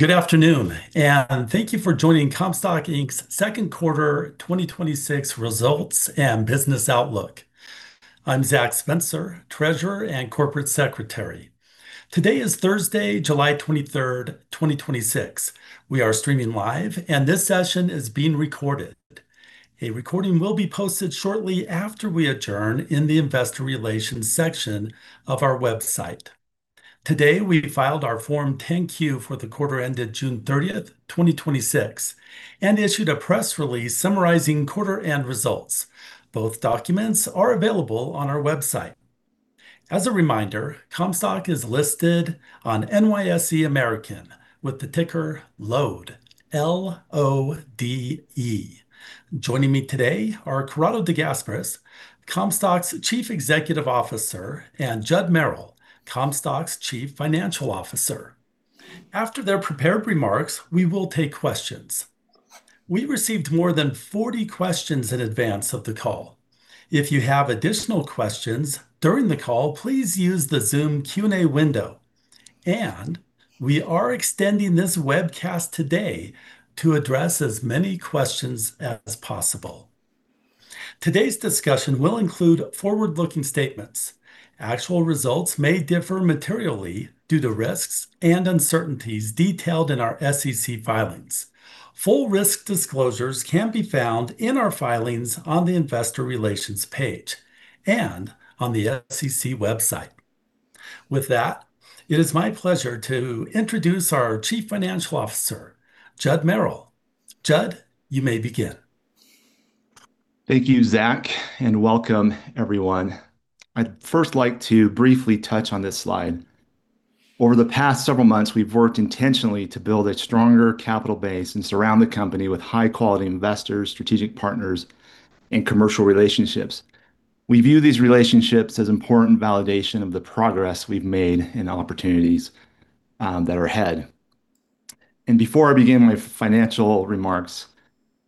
Good afternoon, and thank you for joining Comstock Inc's second quarter 2026 results and business outlook. I'm Zach Spencer, Treasurer and Corporate Secretary. Today is Thursday, July 23rd, 2026. We are streaming live and this session is being recorded. A recording will be posted shortly after we adjourn in the investor relations section of our website. Today, we filed our Form 10-Q for the quarter ended June 30th, 2026, and issued a press release summarizing quarter-end results. Both documents are available on our website. As a reminder, Comstock is listed on NYSE American with the ticker LODE, L-O-D-E. Joining me today are Corrado De Gasperis, Comstock's Chief Executive Officer, and Judd Merrill, Comstock's Chief Financial Officer. After their prepared remarks, we will take questions. We received more than 40 questions in advance of the call. If you have additional questions during the call, please use the Zoom Q&A window. We are extending this webcast today to address as many questions as possible. Today's discussion will include forward-looking statements. Actual results may differ materially due to risks and uncertainties detailed in our SEC filings. Full risk disclosures can be found in our filings on the investor relations page and on the SEC website. With that, it is my pleasure to introduce our Chief Financial Officer, Judd Merrill. Judd, you may begin. Thank you, Zach, and welcome everyone. I'd first like to briefly touch on this slide. Over the past several months, we've worked intentionally to build a stronger capital base and surround the company with high-quality investors, strategic partners, and commercial relationships. We view these relationships as important validation of the progress we've made and opportunities that are ahead. Before I begin my financial remarks,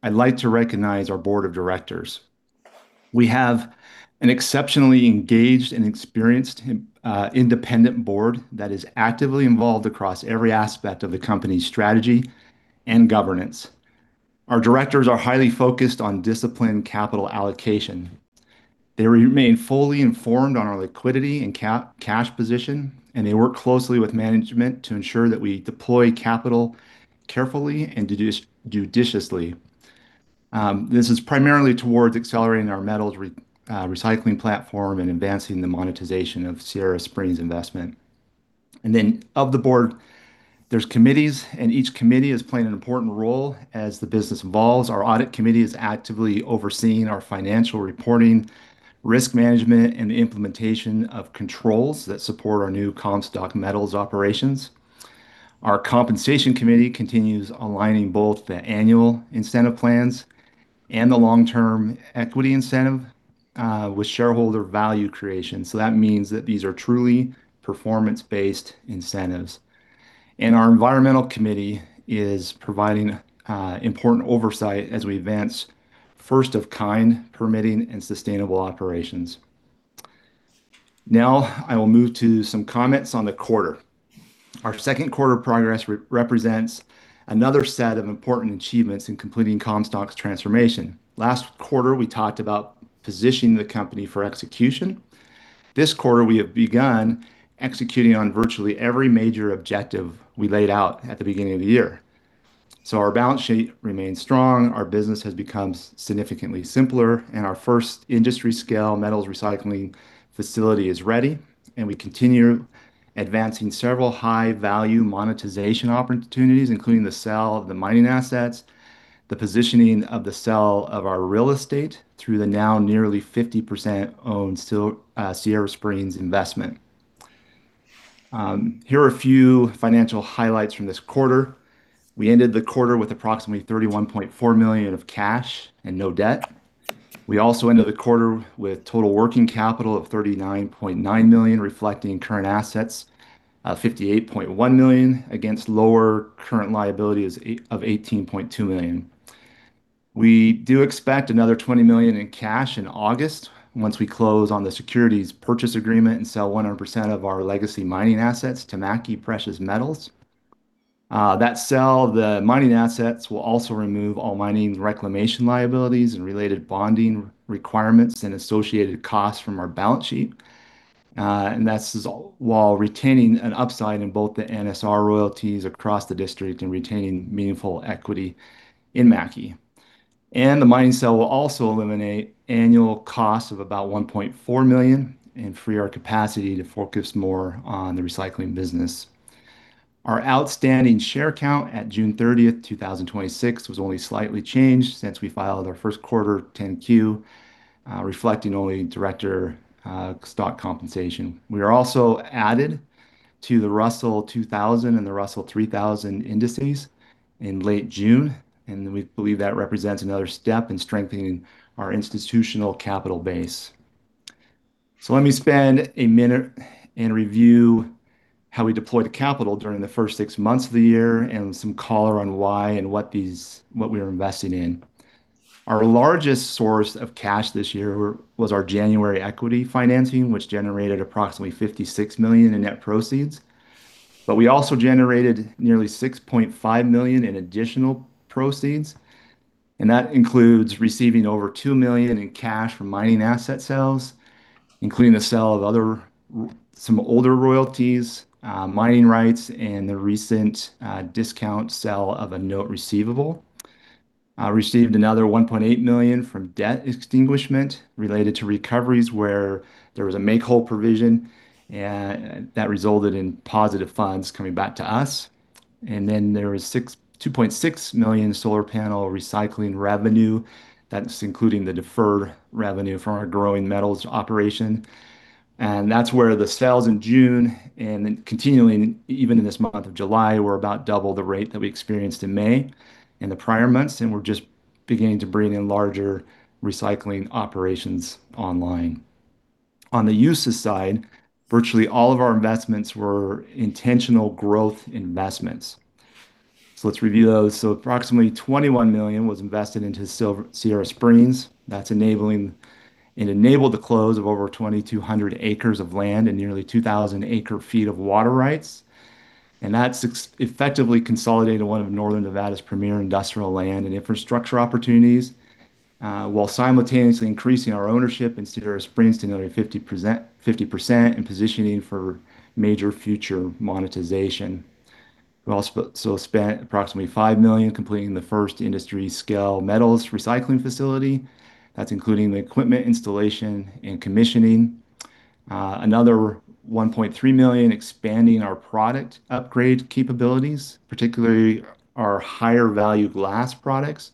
I'd like to recognize our board of directors. We have an exceptionally engaged and experienced independent board that is actively involved across every aspect of the company's strategy and governance. Our directors are highly focused on disciplined capital allocation. They remain fully informed on our liquidity and cash position, and they work closely with management to ensure that we deploy capital carefully and judiciously. This is primarily towards accelerating our metals recycling platform and advancing the monetization of Sierra Springs investment. Of the board, there's committees, and each committee is playing an important role as the business evolves. Our audit committee is actively overseeing our financial reporting, risk management, and the implementation of controls that support our new Comstock Metals operations. Our compensation committee continues aligning both the annual incentive plans and the long-term equity incentive with shareholder value creation. That means that these are truly performance-based incentives. Our environmental committee is providing important oversight as we advance first of kind permitting and sustainable operations. Now I will move to some comments on the quarter. Our second quarter progress represents another set of important achievements in completing Comstock's transformation. Last quarter, we talked about positioning the company for execution. This quarter, we have begun executing on virtually every major objective we laid out at the beginning of the year. Our balance sheet remains strong, our business has become significantly simpler, and our first industry-scale metals recycling facility is ready. We continue advancing several high-value monetization opportunities, including the sale of the mining assets, the positioning of the sale of our real estate through the now nearly 50%-owned Sierra Springs investment. Here are a few financial highlights from this quarter. We ended the quarter with approximately $31.4 million of cash and no debt. We also ended the quarter with total working capital of $39.9 million, reflecting current assets of $58.1 million against lower current liabilities of $18.2 million. We do expect another $20 million in cash in August once we close on the securities purchase agreement and sell 100% of our legacy mining assets to Mackay Precious Metals. That sale of the mining assets will also remove all mining reclamation liabilities and related bonding requirements and associated costs from our balance sheet. That's while retaining an upside in both the NSR royalties across the district and retaining meaningful equity in Mackay. The mining sale will also eliminate annual costs of about $1.4 million and free our capacity to focus more on the recycling business. Our outstanding share count at June 30th, 2026, was only slightly changed since we filed our first quarter 10-Q, reflecting only director stock compensation. We are also added to the Russell 2000 and the Russell 3000 indices in late June. We believe that represents another step in strengthening our institutional capital base. Let me spend a minute and review how we deployed the capital during the first six months of the year and some color on why and what we are investing in. Our largest source of cash this year was our January equity financing, which generated approximately $56 million in net proceeds. We also generated nearly $6.5 million in additional proceeds, and that includes receiving over $2 million in cash from mining asset sales, including the sale of some older royalties, mining rights, and the recent discount sale of a note receivable. I received another $1.8 million from debt extinguishment related to recoveries where there was a make-whole provision, and that resulted in positive funds coming back to us. There was $2.6 million solar panel recycling revenue. That's including the deferred revenue from our growing metals operation. That's where the sales in June and then continuing even in this month of July, were about double the rate that we experienced in May and the prior months, and we're just beginning to bring in larger recycling operations online. On the uses side, virtually all of our investments were intentional growth investments. Let's review those. Approximately $21 million was invested into Sierra Springs. It enabled the close of over 2,200 acres of land and nearly 2,000 acre feet of water rights. That's effectively consolidating one of northern Nevada's premier industrial land and infrastructure opportunities, while simultaneously increasing our ownership in Sierra Springs to nearly 50% and positioning for major future monetization. We also spent approximately $5 million completing the first industry-scale metals recycling facility. That's including the equipment installation and commissioning. Another $1.3 million expanding our product upgrade capabilities, particularly our higher value glass products,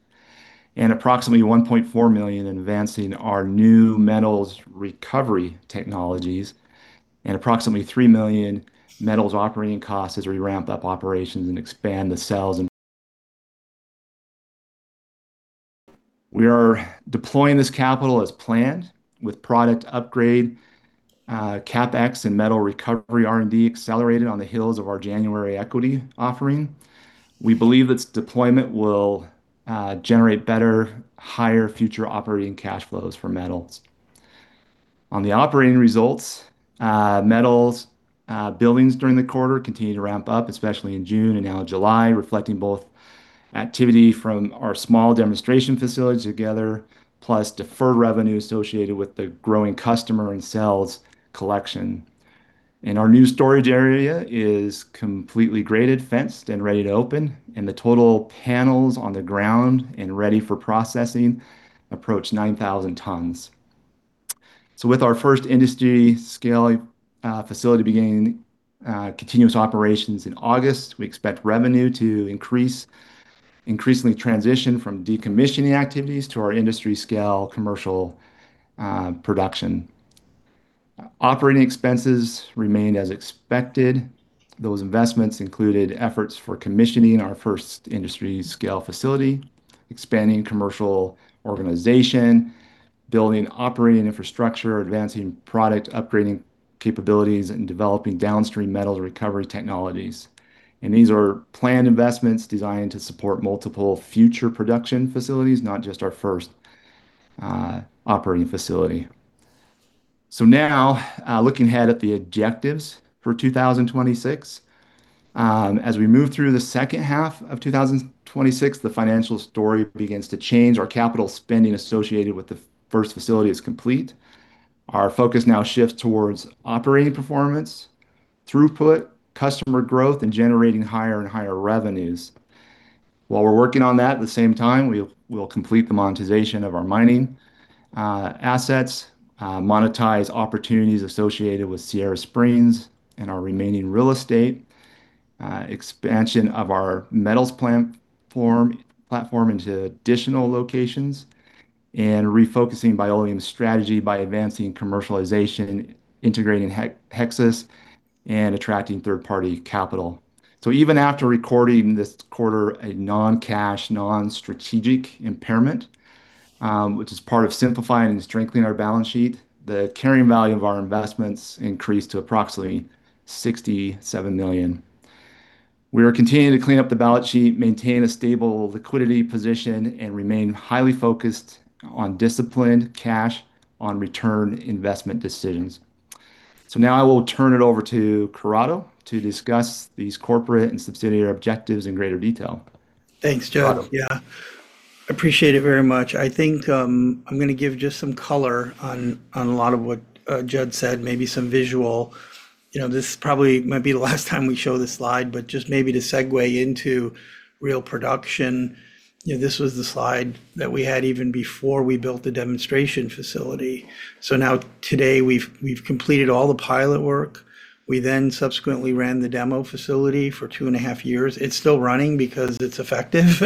and approximately $1.4 million in advancing our new metals recovery technologies, and approximately $3 million metals operating costs as we ramp up operations and expand the sales. We are deploying this capital as planned with product upgrade, CapEx, and metal recovery R&D accelerated on the heels of our January equity offering. We believe this deployment will generate better, higher future operating cash flows for metals. Metals billings during the quarter continued to ramp up, especially in June and now July, reflecting both activity from our small demonstration facilities together, plus deferred revenue associated with the growing customer and sales collection. Our new storage area is completely graded, fenced, and ready to open, and the total panels on the ground and ready for processing approach 9,000 tons. With our first industry scale facility beginning continuous operations in August, we expect revenue to increasingly transition from decommissioning activities to our industry scale commercial production. Operating expenses remained as expected. Those investments included efforts for commissioning our first industry scale facility, expanding commercial organization, building operating infrastructure, advancing product upgrading capabilities, and developing downstream metals recovery technologies. These are planned investments designed to support multiple future production facilities, not just our first operating facility. Now, looking ahead at the objectives for 2026. As we move through the second half of 2026, the financial story begins to change. Our capital spending associated with the first facility is complete. Our focus now shifts towards operating performance, throughput, customer growth, and generating higher and higher revenues. While we're working on that, at the same time, we'll complete the monetization of our mining assets, monetize opportunities associated with Sierra Springs and our remaining real estate, expansion of our metals platform into additional locations, and refocusing Bioleum's strategy by advancing commercialization, integrating Hexas, and attracting third-party capital. Even after recording this quarter a non-cash, non-strategic impairment, which is part of simplifying and strengthening our balance sheet, the carrying value of our investments increased to approximately $67 million. We are continuing to clean up the balance sheet, maintain a stable liquidity position, and remain highly focused on disciplined cash on return investment decisions. Now I will turn it over to Corrado to discuss these corporate and subsidiary objectives in greater detail. Thanks, Judd. Corrado. Appreciate it very much. I think I'm going to give just some color on a lot of what Judd said, maybe some visual. This probably might be the last time we show this slide, but just maybe to segue into real production. This was the slide that we had even before we built the demonstration facility. Now today, we've completed all the pilot work. We then subsequently ran the demo facility for two and a half years. It's still running because it's effective.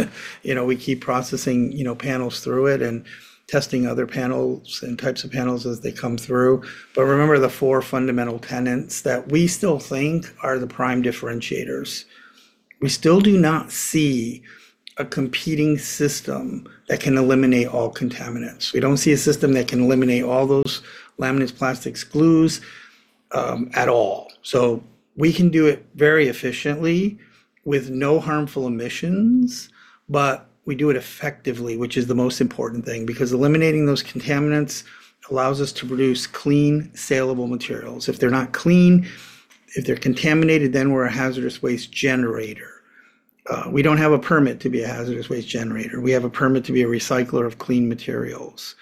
We keep processing panels through it and testing other panels and types of panels as they come through. Remember the four fundamental tenets that we still think are the prime differentiators. We still do not see a competing system that can eliminate all contaminants. We don't see a system that can eliminate all those laminates, plastics, glues at all. We can do it very efficiently with no harmful emissions, we do it effectively, which is the most important thing, because eliminating those contaminants allows us to produce clean, saleable materials. If they're not clean, if they're contaminated, then we're a hazardous waste generator. We don't have a permit to be a hazardous waste generator. We have a permit to be a recycler of clean materials.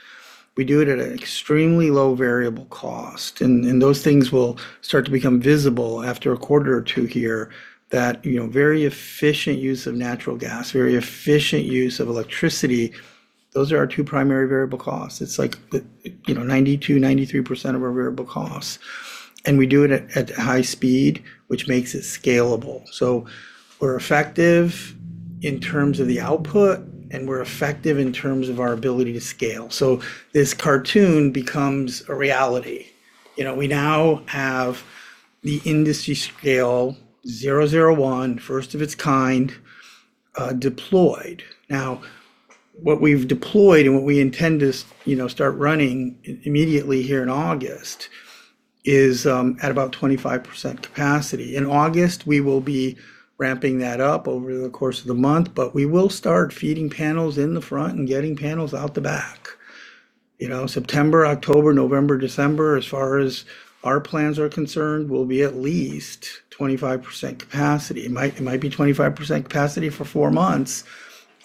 We do it at an extremely low variable cost, those things will start to become visible after a quarter or two here that very efficient use of natural gas, very efficient use of electricity, those are our two primary variable costs. It's like the 92%, 93% of our variable costs. We do it at high speed, which makes it scalable. We're effective in terms of the output, and we're effective in terms of our ability to scale. This cartoon becomes a reality. We now have the industry scale 001, first of its kind, deployed. What we've deployed and what we intend to start running immediately here in August is at about 25% capacity. In August, we will be ramping that up over the course of the month, we will start feeding panels in the front and getting panels out the back. September, October, November, December, as far as our plans are concerned, will be at least 25% capacity. It might be 25% capacity for four months.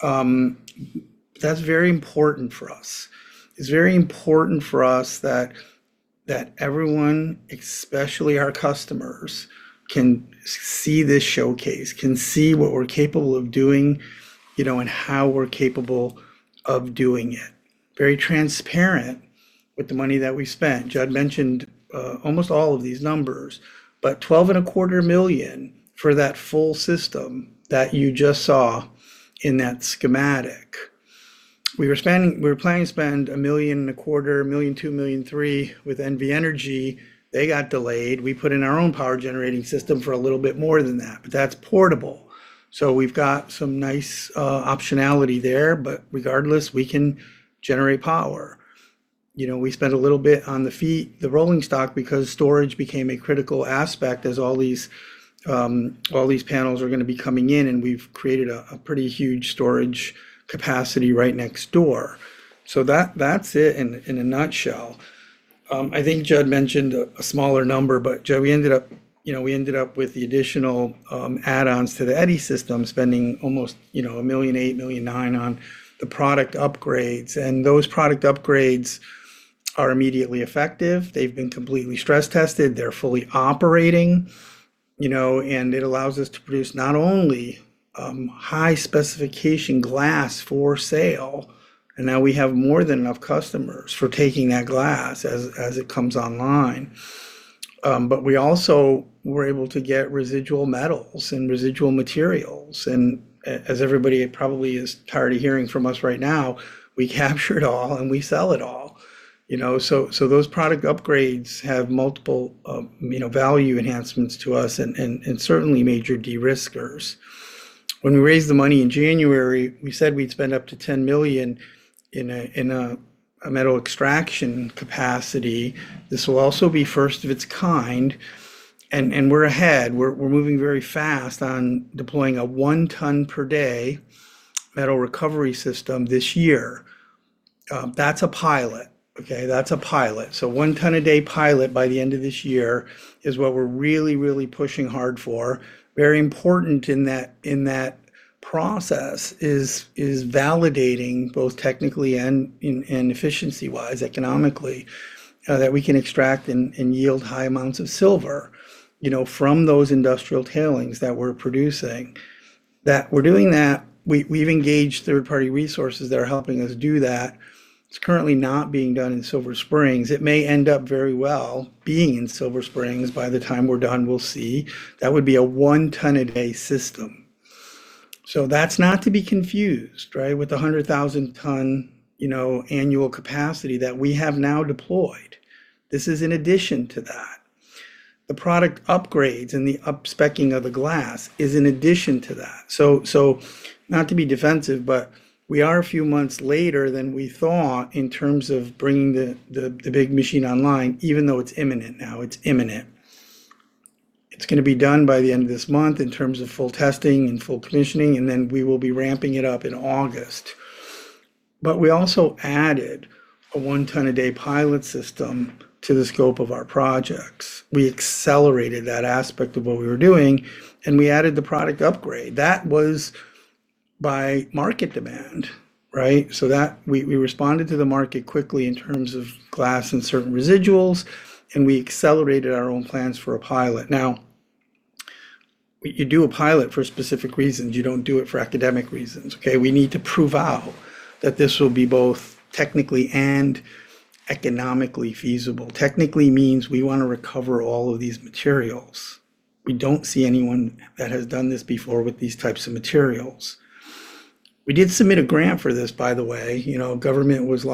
That's very important for us. It's very important for us that everyone, especially our customers, can see this showcase, can see what we're capable of doing, and how we're capable of doing it. Very transparent with the money that we spent. Judd mentioned almost all of these numbers, 12 and a quarter million for that full system that you just saw in that schematic. We were planning to spend a million and a quarter, $1.2 million, $1.3 million with NV Energy. They got delayed. We put in our own power generating system for a little bit more than that's portable. We've got some nice optionality there, regardless, we can generate power. We spent a little bit on the rolling stock because storage became a critical aspect as all these panels are going to be coming in, we've created a pretty huge storage capacity right next door. That's it in a nutshell. I think Judd mentioned a smaller number, Judd, we ended up with the additional add-ons to the Eddy system, spending almost $1.8 million, $1.9 million on the product upgrades. Those product upgrades are immediately effective. They've been completely stress-tested. They're fully operating. It allows us to produce not only high-specification glass for sale. Now we have more than enough customers for taking that glass as it comes online. We also were able to get residual metals and residual materials. As everybody probably is tired of hearing from us right now, we capture it all and we sell it all. Those product upgrades have multiple value enhancements to us and certainly major de-riskers. When we raised the money in January, we said we'd spend up to $10 million in a metal extraction capacity. This will also be first of its kind. We're ahead. We're moving very fast on deploying a 1 ton per day metal recovery system this year. That's a pilot. Okay. That's a pilot. 1 ton a day pilot by the end of this year is what we're really, really pushing hard for. Very important in that process is validating, both technically and efficiency-wise, economically, that we can extract and yield high amounts of silver from those industrial tailings that we're producing. That we're doing that, we've engaged third-party resources that are helping us do that. It's currently not being done in Silver Springs. It may end up very well being in Silver Springs by the time we're done. We'll see. That would be a 1 ton a day system. That's not to be confused, right, with the 100,000 ton annual capacity that we have now deployed. This is in addition to that. The product upgrades and the up-speccing of the glass is in addition to that. Not to be defensive, we are a few months later than we thought in terms of bringing the big machine online, even though it's imminent now. It's imminent. It's going to be done by the end of this month in terms of full testing and full commissioning. Then we will be ramping it up in August. We also added a 1 ton a day pilot system to the scope of our projects. We accelerated that aspect of what we were doing, and we added the product upgrade. That was by market demand, right? We responded to the market quickly in terms of glass and certain residuals, and we accelerated our own plans for a pilot. Now, you do a pilot for specific reasons. You don't do it for academic reasons, okay. We need to prove out that this will be both technically and economically feasible. Technically means we want to recover all of these materials. We don't see anyone that has done this before with these types of materials. We did submit a grant for this, by the way. Government was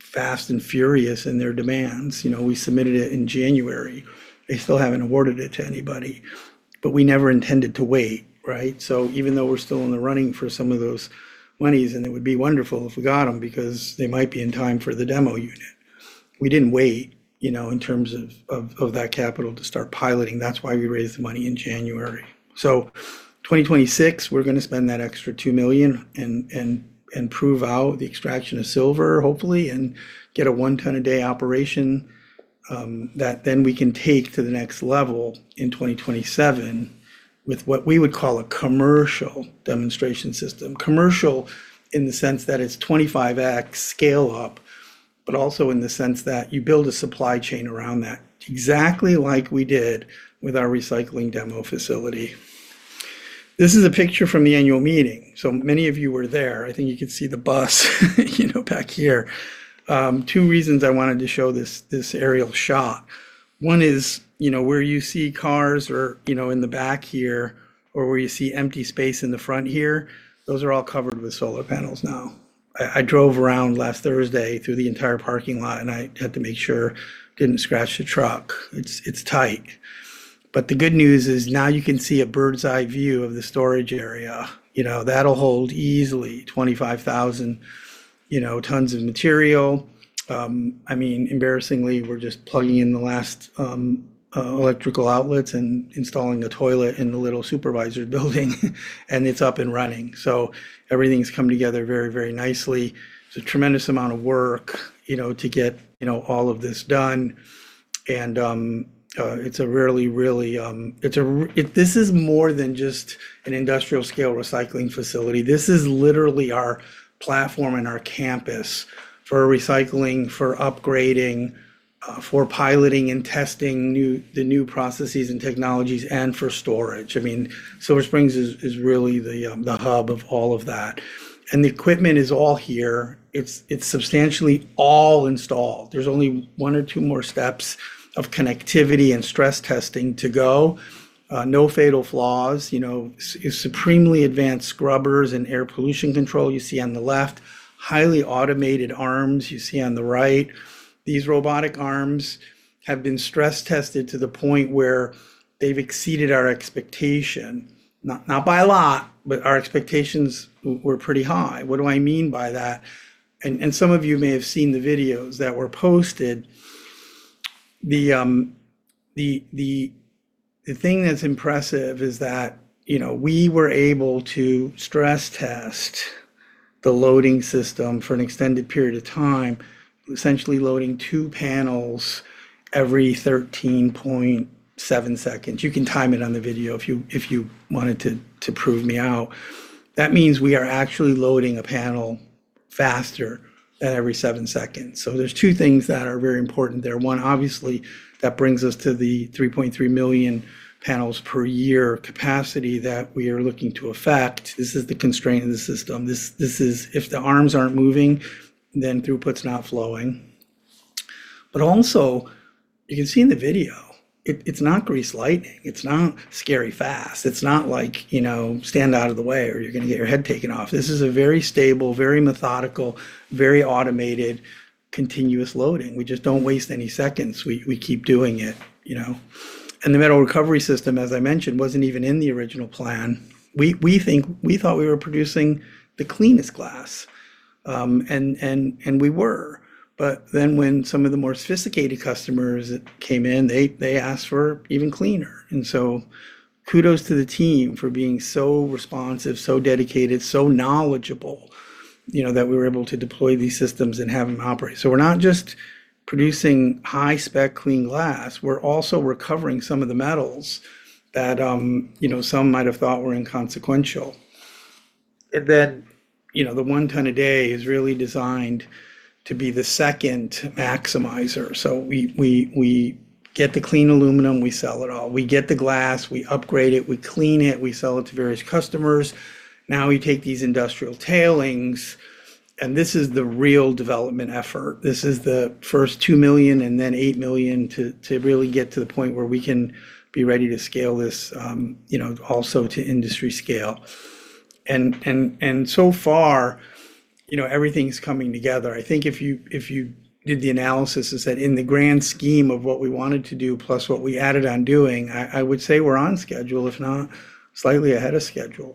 fast and furious in their demands. We submitted it in January. They still haven't awarded it to anybody. We never intended to wait. Even though we're still in the running for some of those monies, and it would be wonderful if we got them because they might be in time for the demo unit. We didn't wait in terms of that capital to start piloting. That's why we raised the money in January. 2026, we're going to spend that extra $2 million and prove out the extraction of silver, hopefully, and get a one ton a day operation that then we can take to the next level in 2027 with what we would call a commercial demonstration system. Commercial in the sense that it's 25x scale-up, also in the sense that you build a supply chain around that, exactly like we did with our recycling demo facility. This is a picture from the annual meeting. Many of you were there. I think you can see the bus back here. Two reasons I wanted to show this aerial shot. One is where you see cars or in the back here or where you see empty space in the front here, those are all covered with solar panels now. I drove around last Thursday through the entire parking lot, I had to make sure I didn't scratch the truck. It's tight. The good news is now you can see a bird's eye view of the storage area. That'll hold easily 25,000 tons of material. Embarrassingly, we're just plugging in the last electrical outlets and installing a toilet in the little supervisor building, it's up and running. Everything's come together very nicely. It's a tremendous amount of work to get all of this done. This is more than just an industrial scale recycling facility. This is literally our platform and our campus for recycling, for upgrading, for piloting and testing the new processes and technologies, and for storage. Silver Springs is really the hub of all of that. The equipment is all here. It's substantially all installed. There's only one or two more steps of connectivity and stress testing to go. No fatal flaws. Supremely advanced scrubbers and air pollution control you see on the left. Highly automated arms you see on the right. These robotic arms have been stress tested to the point where they've exceeded our expectation. Not by a lot, our expectations were pretty high. What do I mean by that? Some of you may have seen the videos that were posted. The thing that's impressive is that we were able to stress test the loading system for an extended period of time, essentially loading two panels every 13.7 seconds. You can time it on the video if you wanted to prove me out. That means we are actually loading a panel faster at every seven seconds. There's two things that are very important there. One, obviously, that brings us to the 3.3 million panels per year capacity that we are looking to affect. This is the constraint of the system. This is if the arms aren't moving, then throughput's not flowing. Also, you can see in the video, it's not greased lightning. It's not scary fast. It's not like stand out of the way or you're going to get your head taken off. This is a very stable, very methodical, very automated, continuous loading. We just don't waste any seconds. We keep doing it. The metal recovery system, as I mentioned, wasn't even in the original plan. We thought we were producing the cleanest glass. We were, when some of the more sophisticated customers came in, they asked for even cleaner. Kudos to the team for being so responsive, so dedicated, so knowledgeable that we were able to deploy these systems and have them operate. We're not just producing high spec clean glass, we're also recovering some of the metals that some might have thought were inconsequential. The 1 ton a day is really designed to be the second maximizer. We get the clean aluminum, we sell it all. We get the glass, we upgrade it, we clean it, we sell it to various customers. Now we take these industrial tailings, this is the real development effort. This is the first 2 million and then 8 million to really get to the point where we can be ready to scale this also to industry scale. So far, everything's coming together. I think if you did the analysis is that in the grand scheme of what we wanted to do plus what we added on doing, I would say we're on schedule, if not slightly ahead of schedule.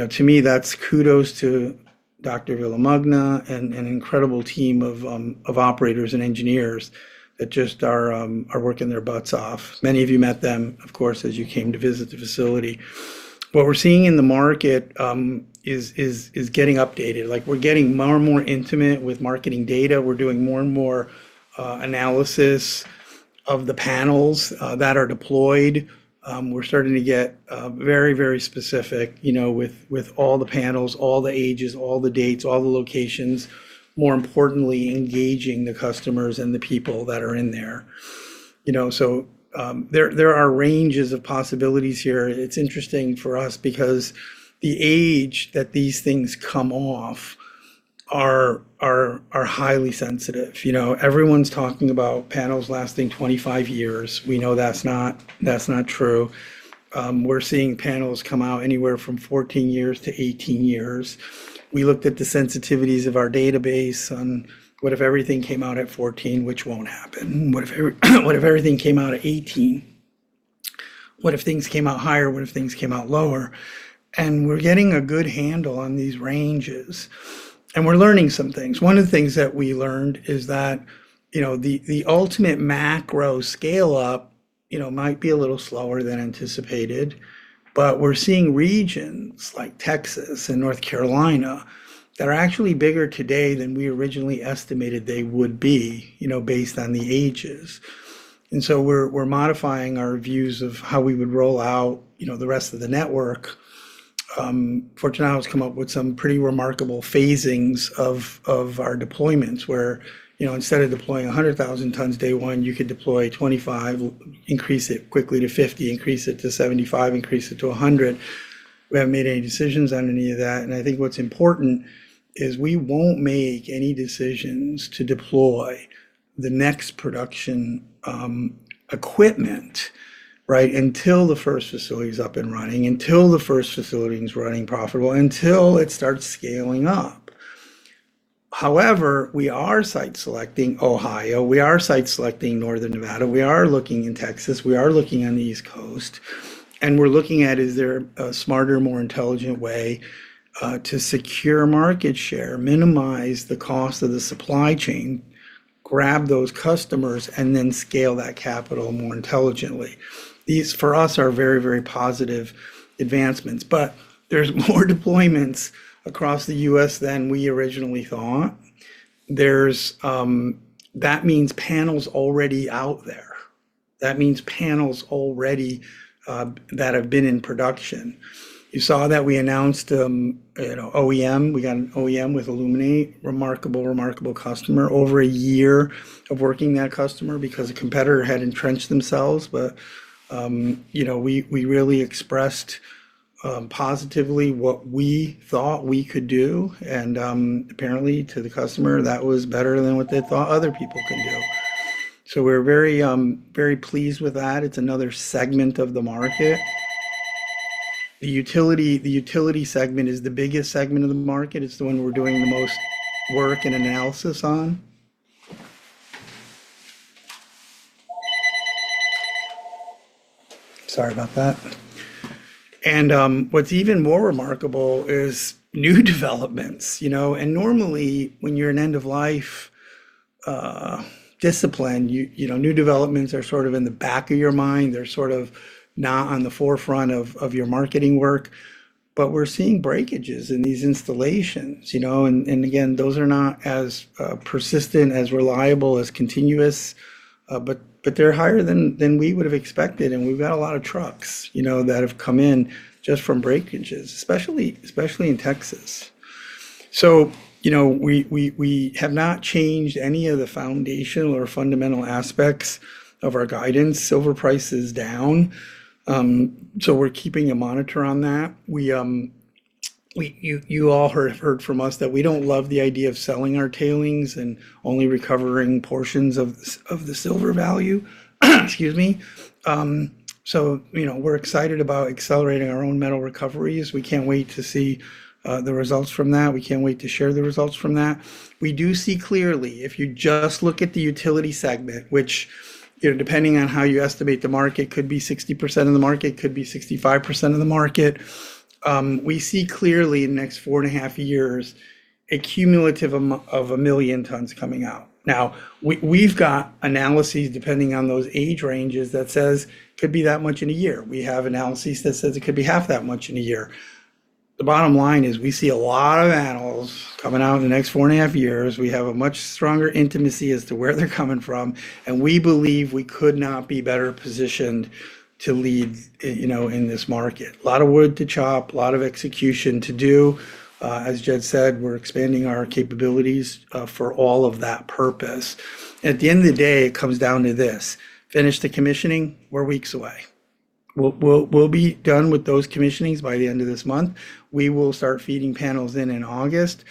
To me, that's kudos to Dr. Villamagna and an incredible team of operators and engineers that just are working their butts off. Many of you met them, of course, as you came to visit the facility. What we're seeing in the market is getting updated. We're getting more and more intimate with marketing data. We're doing more and more analysis of the panels that are deployed. We're starting to get very specific with all the panels, all the ages, all the dates, all the locations. More importantly, engaging the customers and the people that are in there. There are ranges of possibilities here. It's interesting for us because the age that these things come off are highly sensitive. Everyone's talking about panels lasting 25 years. We know that's not true. We're seeing panels come out anywhere from 14 years to 18 years. We looked at the sensitivities of our database on what if everything came out at 14, which won't happen. What if everything came out at 18? What if things came out higher? What if things came out lower? We're getting a good handle on these ranges, and we're learning some things. One of the things that we learned is that the ultimate macro scale up might be a little slower than anticipated, we're seeing regions like Texas and North Carolina that are actually bigger today than we originally estimated they would be based on the ages. We're modifying our views of how we would roll out the rest of the network. Fortunato has come up with some pretty remarkable phasings of our deployments where instead of deploying 100,000 tons day one, you could deploy 25, increase it quickly to 50, increase it to 75, increase it to 100. We haven't made any decisions on any of that, I think what's important is we won't make any decisions to deploy the next production equipment until the first facility's up and running, until the first facility is running profitable, until it starts scaling up. However, we are site-selecting Ohio, we are site-selecting northern Nevada, we are looking in Texas, we are looking on the East Coast, and we're looking at is there a smarter, more intelligent way to secure market share, minimize the cost of the supply chain, grab those customers, and then scale that capital more intelligently. These, for us, are very, very positive advancements. There's more deployments across the U.S. than we originally thought. That means panels already out there. That means panels already that have been in production. You saw that we announced an OEM. We got an OEM with Illuminate. Remarkable customer. Over a year of working that customer because a competitor had entrenched themselves. We really expressed positively what we thought we could do, and apparently to the customer, that was better than what they thought other people could do. We're very pleased with that. It's another segment of the market. The utility segment is the biggest segment of the market. It's the one we're doing the most work and analysis on. Sorry about that. What's even more remarkable is new developments. Normally when you're an end-of-life discipline, new developments are sort of in the back of your mind. They're sort of not on the forefront of your marketing work. We're seeing breakages in these installations. Again, those are not as persistent, as reliable, as continuous, but they're higher than we would've expected, and we've got a lot of trucks that have come in just from breakages, especially in Texas. We have not changed any of the foundational or fundamental aspects of our guidance. Silver price is down, so we're keeping a monitor on that. You all have heard from us that we don't love the idea of selling our tailings and only recovering portions of the silver value. Excuse me. We're excited about accelerating our own metal recoveries. We can't wait to see the results from that. We can't wait to share the results from that. We do see clearly, if you just look at the utility segment, which depending on how you estimate the market, could be 60% of the market, could be 65% of the market. We see clearly in the next four and a half years a cumulative of 1 million tons coming out. Now, we've got analyses depending on those age ranges that says could be that much in a year. We have analyses that says it could be half that much in a year. The bottom line is we see a lot of panels coming out in the next four and a half years. We have a much stronger intimacy as to where they're coming from, and we believe we could not be better positioned to lead in this market. A lot of wood to chop, a lot of execution to do. As Judd said, we're expanding our capabilities for all of that purpose. At the end of the day, it comes down to this. Finish the commissioning. We're weeks away. We'll be done with those commissionings by the end of this month. We will start feeding panels in in August.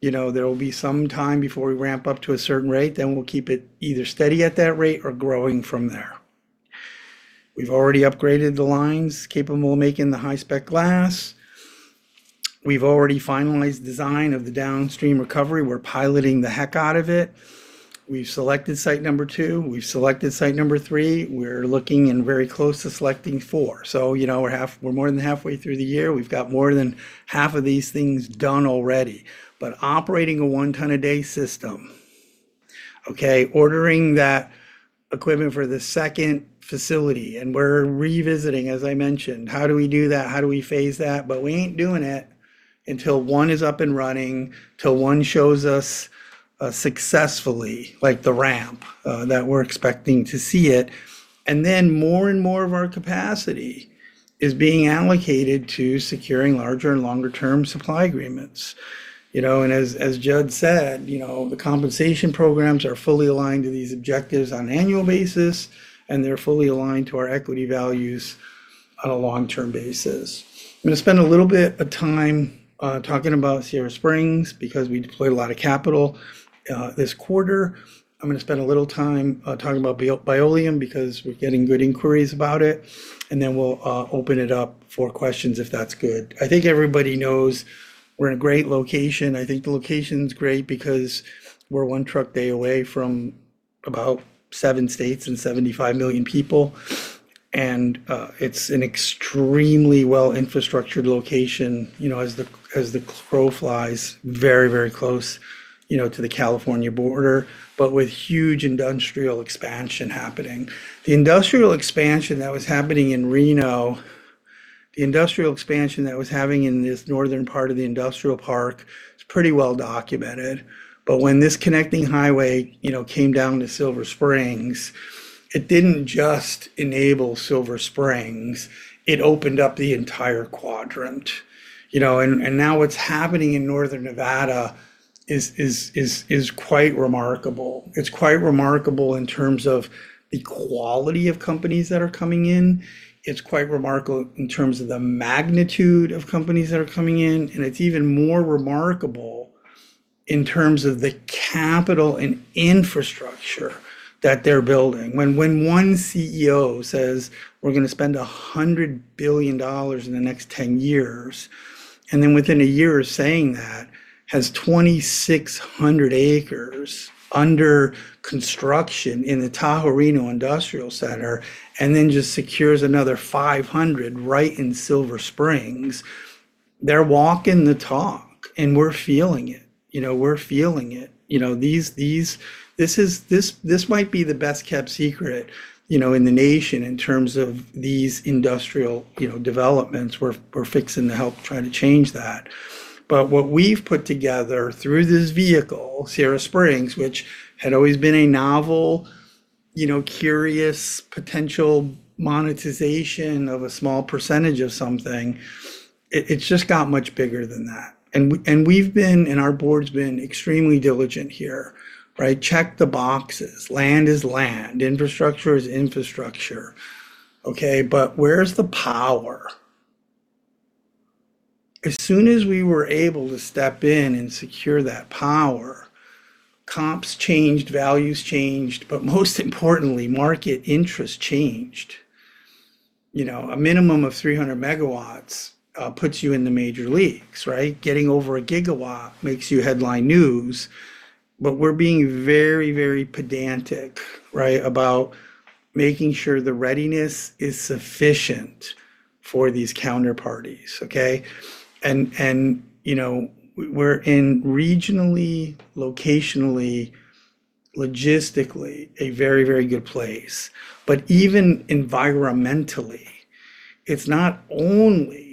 There'll be some time before we ramp up to a certain rate, then we'll keep it either steady at that rate or growing from there. We've already upgraded the lines capable of making the high-spec glass. We've already finalized the design of the downstream recovery. We're piloting the heck out of it. We've selected site number two. We've selected site number three. We're looking and very close to selecting four. We're more than halfway through the year. We've got more than half of these things done already. Operating a one-ton-a-day system. Ordering that equipment for the second facility, and we're revisiting, as I mentioned, how do we do that? How do we phase that? We ain't doing it until one is up and running, till one shows us successfully, like the ramp, that we're expecting to see it. More and more of our capacity is being allocated to securing larger and longer-term supply agreements. As Judd said, the compensation programs are fully aligned to these objectives on an annual basis, and they're fully aligned to our equity values On a long-term basis. I'm going to spend a little bit of time talking about Sierra Springs because we deployed a lot of capital this quarter. I'm going to spend a little time talking about Bioleum because we're getting good inquiries about it, we'll open it up for questions if that's good. I think everybody knows we're in a great location. I think the location's great because we're one truck day away from about seven states and 75 million people. It's an extremely well-infrastructured location, as the crow flies, very close to the California border, with huge industrial expansion happening. The industrial expansion that was happening in Reno, the industrial expansion that was happening in this northern part of the industrial park is pretty well documented. When this connecting highway came down to Silver Springs, it didn't just enable Silver Springs, it opened up the entire quadrant. Now what's happening in northern Nevada is quite remarkable. It's quite remarkable in terms of the quality of companies that are coming in. It's quite remarkable in terms of the magnitude of companies that are coming in. It's even more remarkable in terms of the capital and infrastructure that they're building. When one CEO says, "We're going to spend $100 billion in the next 10 years," within a year of saying that, has 2,600 acres under construction in the Tahoe Reno Industrial Center, just secures another 500 right in Silver Springs, they're walking the talk, we're feeling it. This might be the best-kept secret in the nation in terms of these industrial developments. We're fixing to help try to change that. What we've put together through this vehicle, Sierra Springs, which had always been a novel, curious potential monetization of a small percentage of something, it's just got much bigger than that. Our board's been extremely diligent here. Check the boxes. Land is land. Infrastructure is infrastructure. Where's the power? As soon as we were able to step in and secure that power, Comps changed, values changed, but most importantly, market interest changed. A minimum of 300 MW puts you in the major leagues. Getting over a gigawatt makes you headline news. We're being very pedantic about making sure the readiness is sufficient for these counterparties. We're in regionally, locationally, logistically, a very good place. Even environmentally, it's not only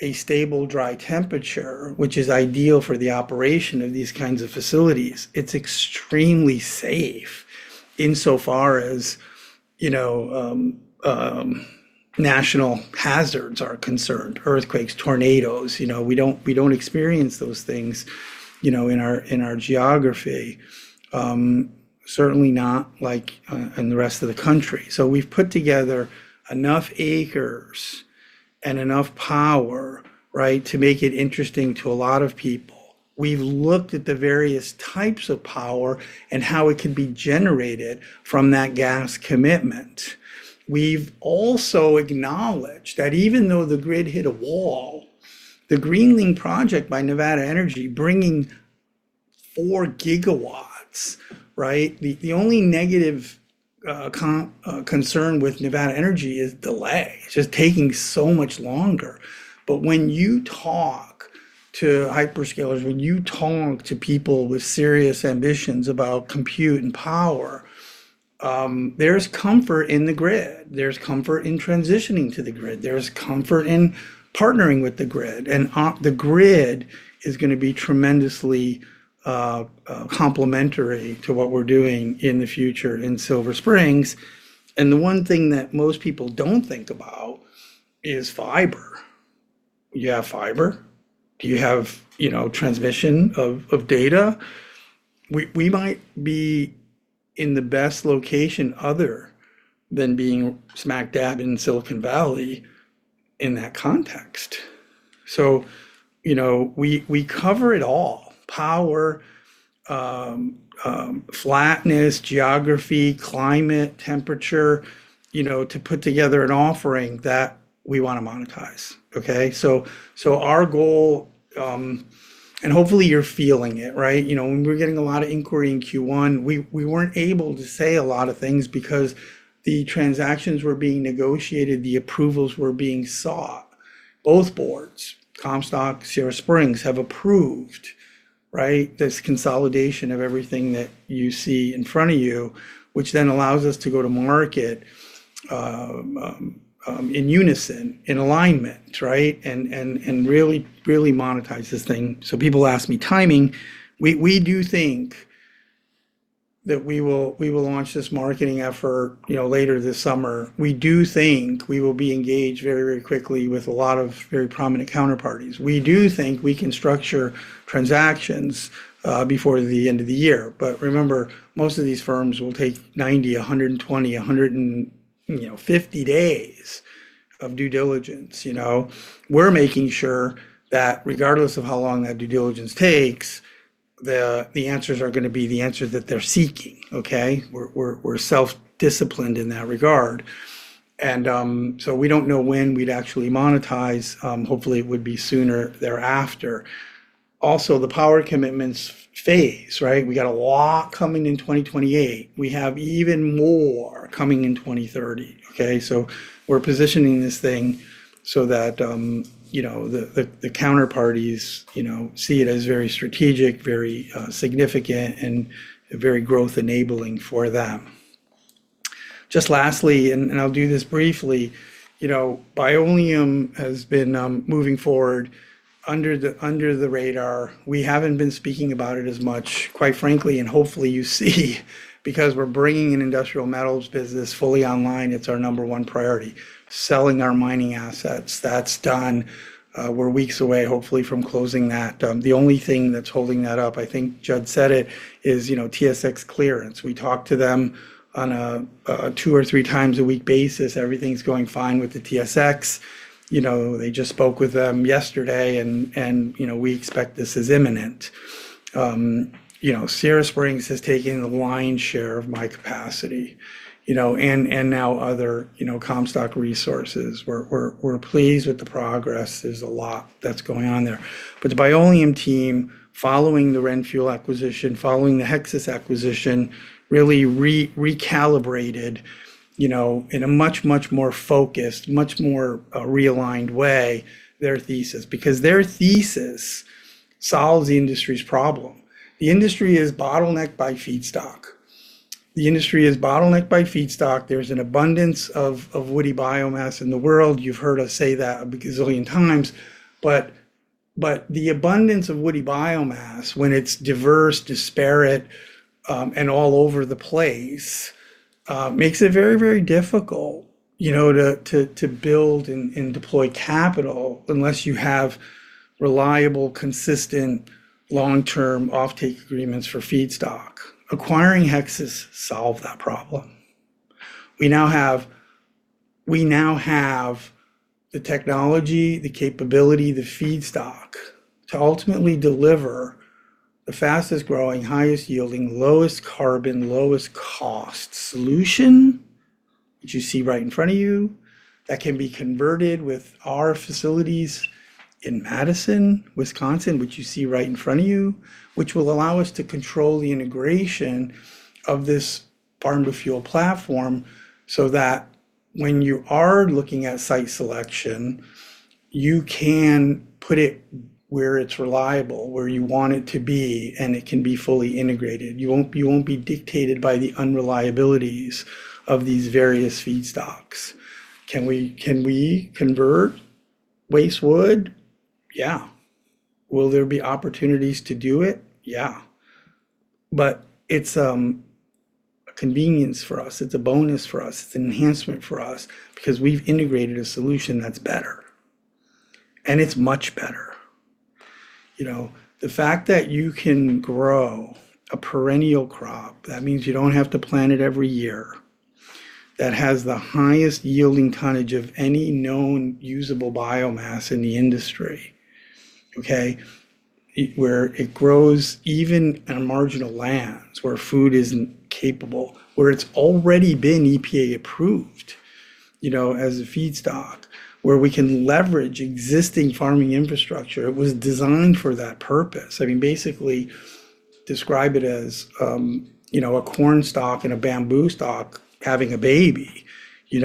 a stable, dry temperature, which is ideal for the operation of these kinds of facilities. It's extremely safe insofar as natural hazards are concerned, earthquakes, tornadoes. We don't experience those things in our geography. Certainly not like in the rest of the country. We've put together enough acres and enough power to make it interesting to a lot of people. We've looked at the various types of power and how it can be generated from that gas commitment. We've also acknowledged that even though the grid hit a wall, the Greenlink project by Nevada Energy bringing 4 GW. The only negative concern with Nevada Energy is delay. It's just taking so much longer. When you talk to hyperscalers, when you talk to people with serious ambitions about compute and power, there's comfort in the grid. There's comfort in transitioning to the grid. There's comfort in partnering with the grid. The grid is going to be tremendously complementary to what we're doing in the future in Silver Springs. The one thing that most people don't think about is fiber. Do you have fiber? Do you have transmission of data? We might be in the best location other than being smack dab in Silicon Valley in that context. We cover it all: power, flatness, geography, climate, temperature, to put together an offering that we want to monetize. Our goal, and hopefully you're feeling it. When we were getting a lot of inquiry in Q1, we weren't able to say a lot of things because the transactions were being negotiated, the approvals were being sought. Both boards, Comstock, Sierra Springs, have approved this consolidation of everything that you see in front of you, which then allows us to go to market in unison, in alignment. Really monetize this thing. People ask me timing. We do think that we will launch this marketing effort later this summer. We do think we will be engaged very quickly with a lot of very prominent counterparties. We do think we can structure transactions before the end of the year. Remember, most of these firms will take 90, 120, 150 days of due diligence. We're making sure that regardless of how long that due diligence takes, the answers are going to be the answers that they're seeking, okay? We're self-disciplined in that regard. We don't know when we'd actually monetize. Hopefully, it would be sooner thereafter. Also, the power commitments phase, right? We got a lot coming in 2028. We have even more coming in 2030, okay? We're positioning this thing so that the counterparties see it as very strategic, very significant, and very growth-enabling for them. Just lastly, and I'll do this briefly, Bioleum has been moving forward under the radar. We haven't been speaking about it as much, quite frankly, and hopefully you see because we're bringing an industrial metals business fully online. It's our number one priority. Selling our mining assets, that's done. We're weeks away, hopefully, from closing that. The only thing that's holding that up, I think Judd said it, is TSX clearance. We talk to them on a two or three times a week basis. Everything's going fine with the TSX. They just spoke with them yesterday. We expect this is imminent. Sierra Springs has taken the lion's share of my capacity, and now other Comstock resources. We're pleased with the progress. There's a lot that's going on there. The Bioleum team, following the RenFuel acquisition, following the Hexas acquisition, really recalibrated in a much, much more focused, much more realigned way their thesis. Their thesis solves the industry's problem. The industry is bottlenecked by feedstock. There's an abundance of woody biomass in the world. You've heard us say that a bazillion times. The abundance of woody biomass, when it's diverse, disparate, and all over the place, makes it very, very difficult to build and deploy capital unless you have reliable, consistent, long-term offtake agreements for feedstock. Acquiring Hexas solved that problem. We now have the technology, the capability, the feedstock to ultimately deliver the fastest-growing, highest-yielding, lowest-carbon, lowest-cost solution that you see right in front of you, that can be converted with our facilities in Madison, Wisconsin, which you see right in front of you, which will allow us to control the integration of this farm-to-fuel platform so that when you are looking at site selection, you can put it where it's reliable, where you want it to be, and it can be fully integrated. You won't be dictated by the unreliabilities of these various feedstocks. Can we convert waste wood? Yeah. Will there be opportunities to do it? Yeah. It's a convenience for us. It's a bonus for us. It's an enhancement for us because we've integrated a solution that's better, and it's much better. The fact that you can grow a perennial crop, that means you don't have to plant it every year, that has the highest yielding tonnage of any known usable biomass in the industry, okay? Where it grows even on marginal lands, where food isn't capable, where it's already been EPA-approved as a feedstock, where we can leverage existing farming infrastructure. It was designed for that purpose. Basically describe it as a corn stalk and a bamboo stalk having a baby. There's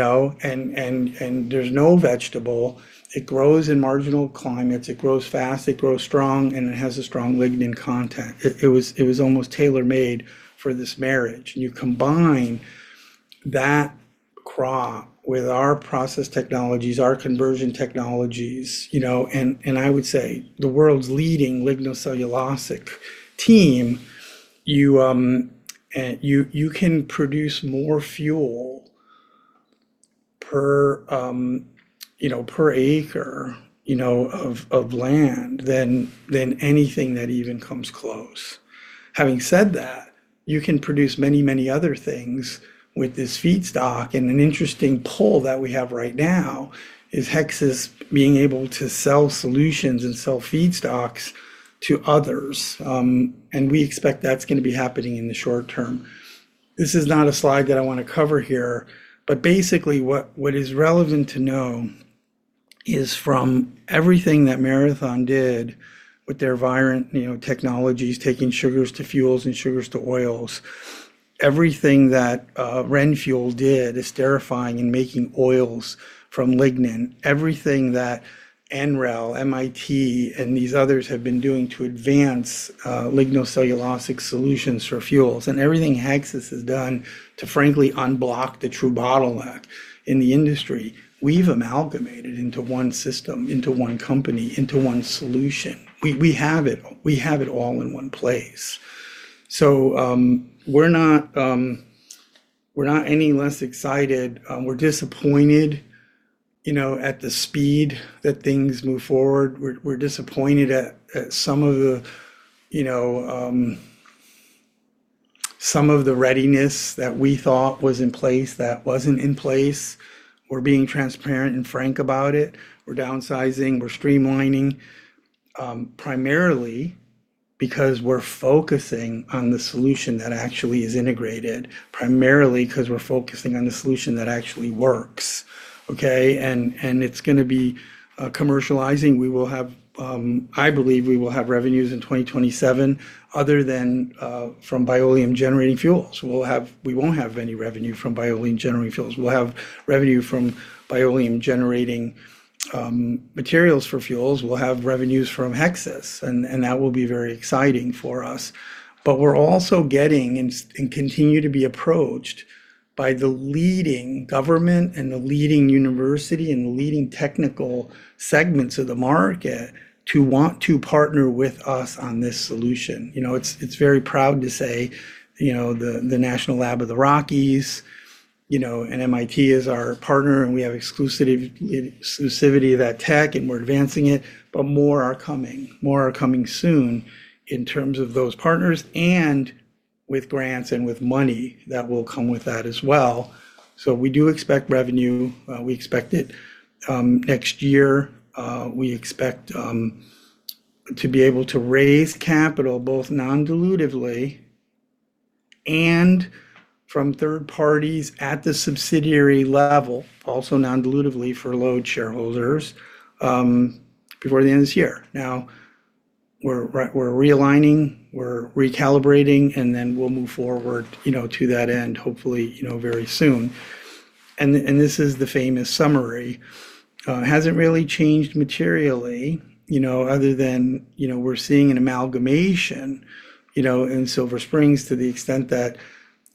no vegetable. It grows in marginal climates. It grows fast, it grows strong, and it has a strong lignin content. It was almost tailor-made for this marriage. You combine that crop with our process technologies, our conversion technologies, and I would say the world's leading lignocellulosic team. You can produce more fuel per acre of land than anything that even comes close. Having said that, you can produce many, many other things with this feedstock. An interesting pull that we have right now is Hexas being able to sell solutions and sell feedstocks to others, and we expect that's going to be happening in the short term. This is not a slide that I want to cover here, but basically what is relevant to know is from everything that Marathon did with their Virent technologies, taking sugars to fuels and sugars to oils, everything that RenFuel did, esterifying and making oils from lignin, everything that NREL, MIT, and these others have been doing to advance lignocellulosic solutions for fuels, and everything Hexas has done to frankly unblock the true bottleneck in the industry, we've amalgamated into one system, into one company, into one solution. We have it all in one place. We're not any less excited. We're disappointed at the speed that things move forward. We're disappointed at some of the readiness that we thought was in place that wasn't in place. We're being transparent and frank about it. We're downsizing, we're streamlining, primarily because we're focusing on the solution that actually is integrated, primarily because we're focusing on the solution that actually works. Okay? It's going to be commercializing. I believe we will have revenues in 2027, other than from Bioleum generating fuels. We won't have any revenue from Bioleum generating fuels. We'll have revenue from Bioleum generating materials for fuels. We'll have revenues from Hexas, and that will be very exciting for us. We're also getting and continue to be approached by the leading government and the leading university and the leading technical segments of the market to want to partner with us on this solution. It's very proud to say the National Lab of the Rockies and MIT is our partner and we have exclusivity of that tech and we're advancing it, but more are coming. More are coming soon in terms of those partners and with grants and with money that will come with that as well. We do expect revenue. We expect it next year. We expect to be able to raise capital both non-dilutively and from third parties at the subsidiary level, also non-dilutively for LODE shareholders, before the end of this year. We're realigning, we're recalibrating, and then we'll move forward to that end, hopefully very soon. This is the famous summary. It hasn't really changed materially, other than we're seeing an amalgamation in Silver Springs to the extent that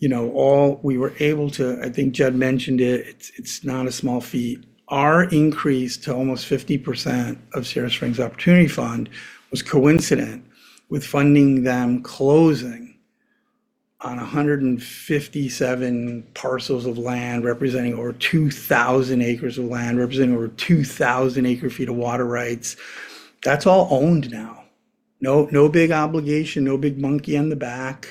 all we were able to. I think Judd mentioned it's not a small feat. Our increase to almost 50% of Sierra Springs Opportunity Fund was coincident with funding them closing on 157 parcels of land representing over 2,000 acres of land, representing over 2,000 acre feet of water rights. That's all owned now. No big obligation, no big monkey on the back.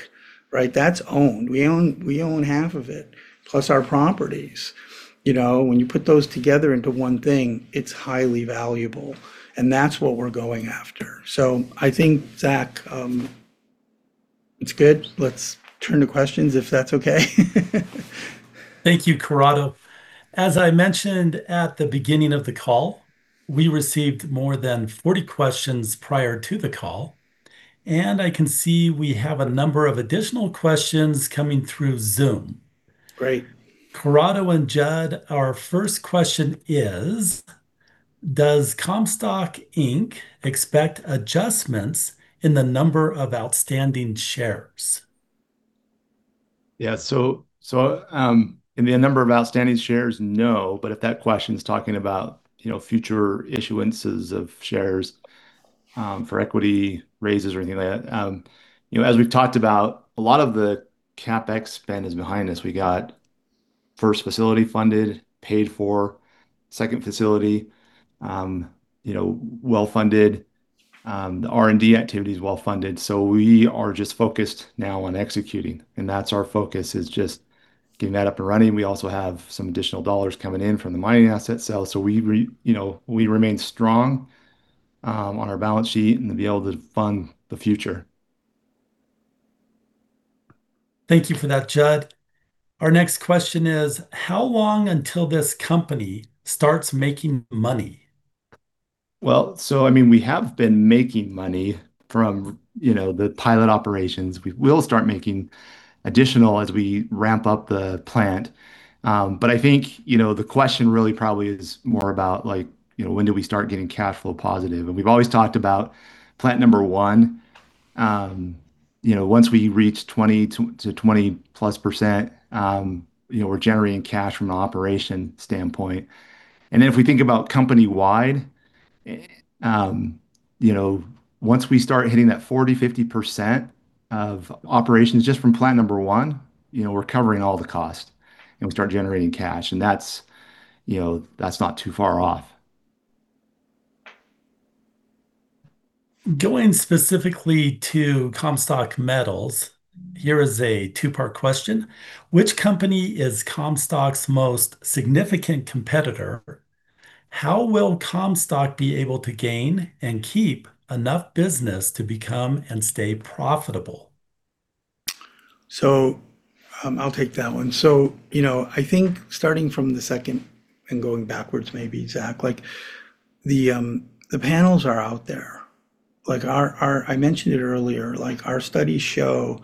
That's owned. We own half of it, plus our properties. When you put those together into one thing, it's highly valuable, and that's what we're going after. I think, Zach, it's good. Let's turn to questions if that's okay. Thank you, Corrado. As I mentioned at the beginning of the call, we received more than 40 questions prior to the call, and I can see we have a number of additional questions coming through Zoom. Great. Corrado and Judd, our first question is, does Comstock Inc expect adjustments in the number of outstanding shares? Yeah. In the number of outstanding shares, no. If that question's talking about future issuances of shares for equity raises or anything like that, as we've talked about, a lot of the CapEx spend is behind us. We got first facility funded, paid for, second facility well-funded. The R&D activity is well-funded. We are just focused now on executing, and that's our focus is just getting that up and running. We also have some additional dollars coming in from the mining asset sale. We remain strong on our balance sheet and to be able to fund the future. Thank you for that, Judd. Our next question is, how long until this company starts making money? We have been making money from the pilot operations. We will start making additional as we ramp up the plant. I think the question really probably is more about when do we start getting cash flow positive? We've always talked about plant number one. Once we reach 20% to 20%+, we're generating cash from an operation standpoint. Then if we think about company-wide, once we start hitting that 40%-50% of operations just from plant number one, we're covering all the cost, and we start generating cash. That's not too far off. Going specifically to Comstock Metals, here is a two-part question. Which company is Comstock's most significant competitor? How will Comstock be able to gain and keep enough business to become and stay profitable? I'll take that one. I think starting from the second and going backwards maybe, Zach. The panels are out there. I mentioned it earlier, our studies show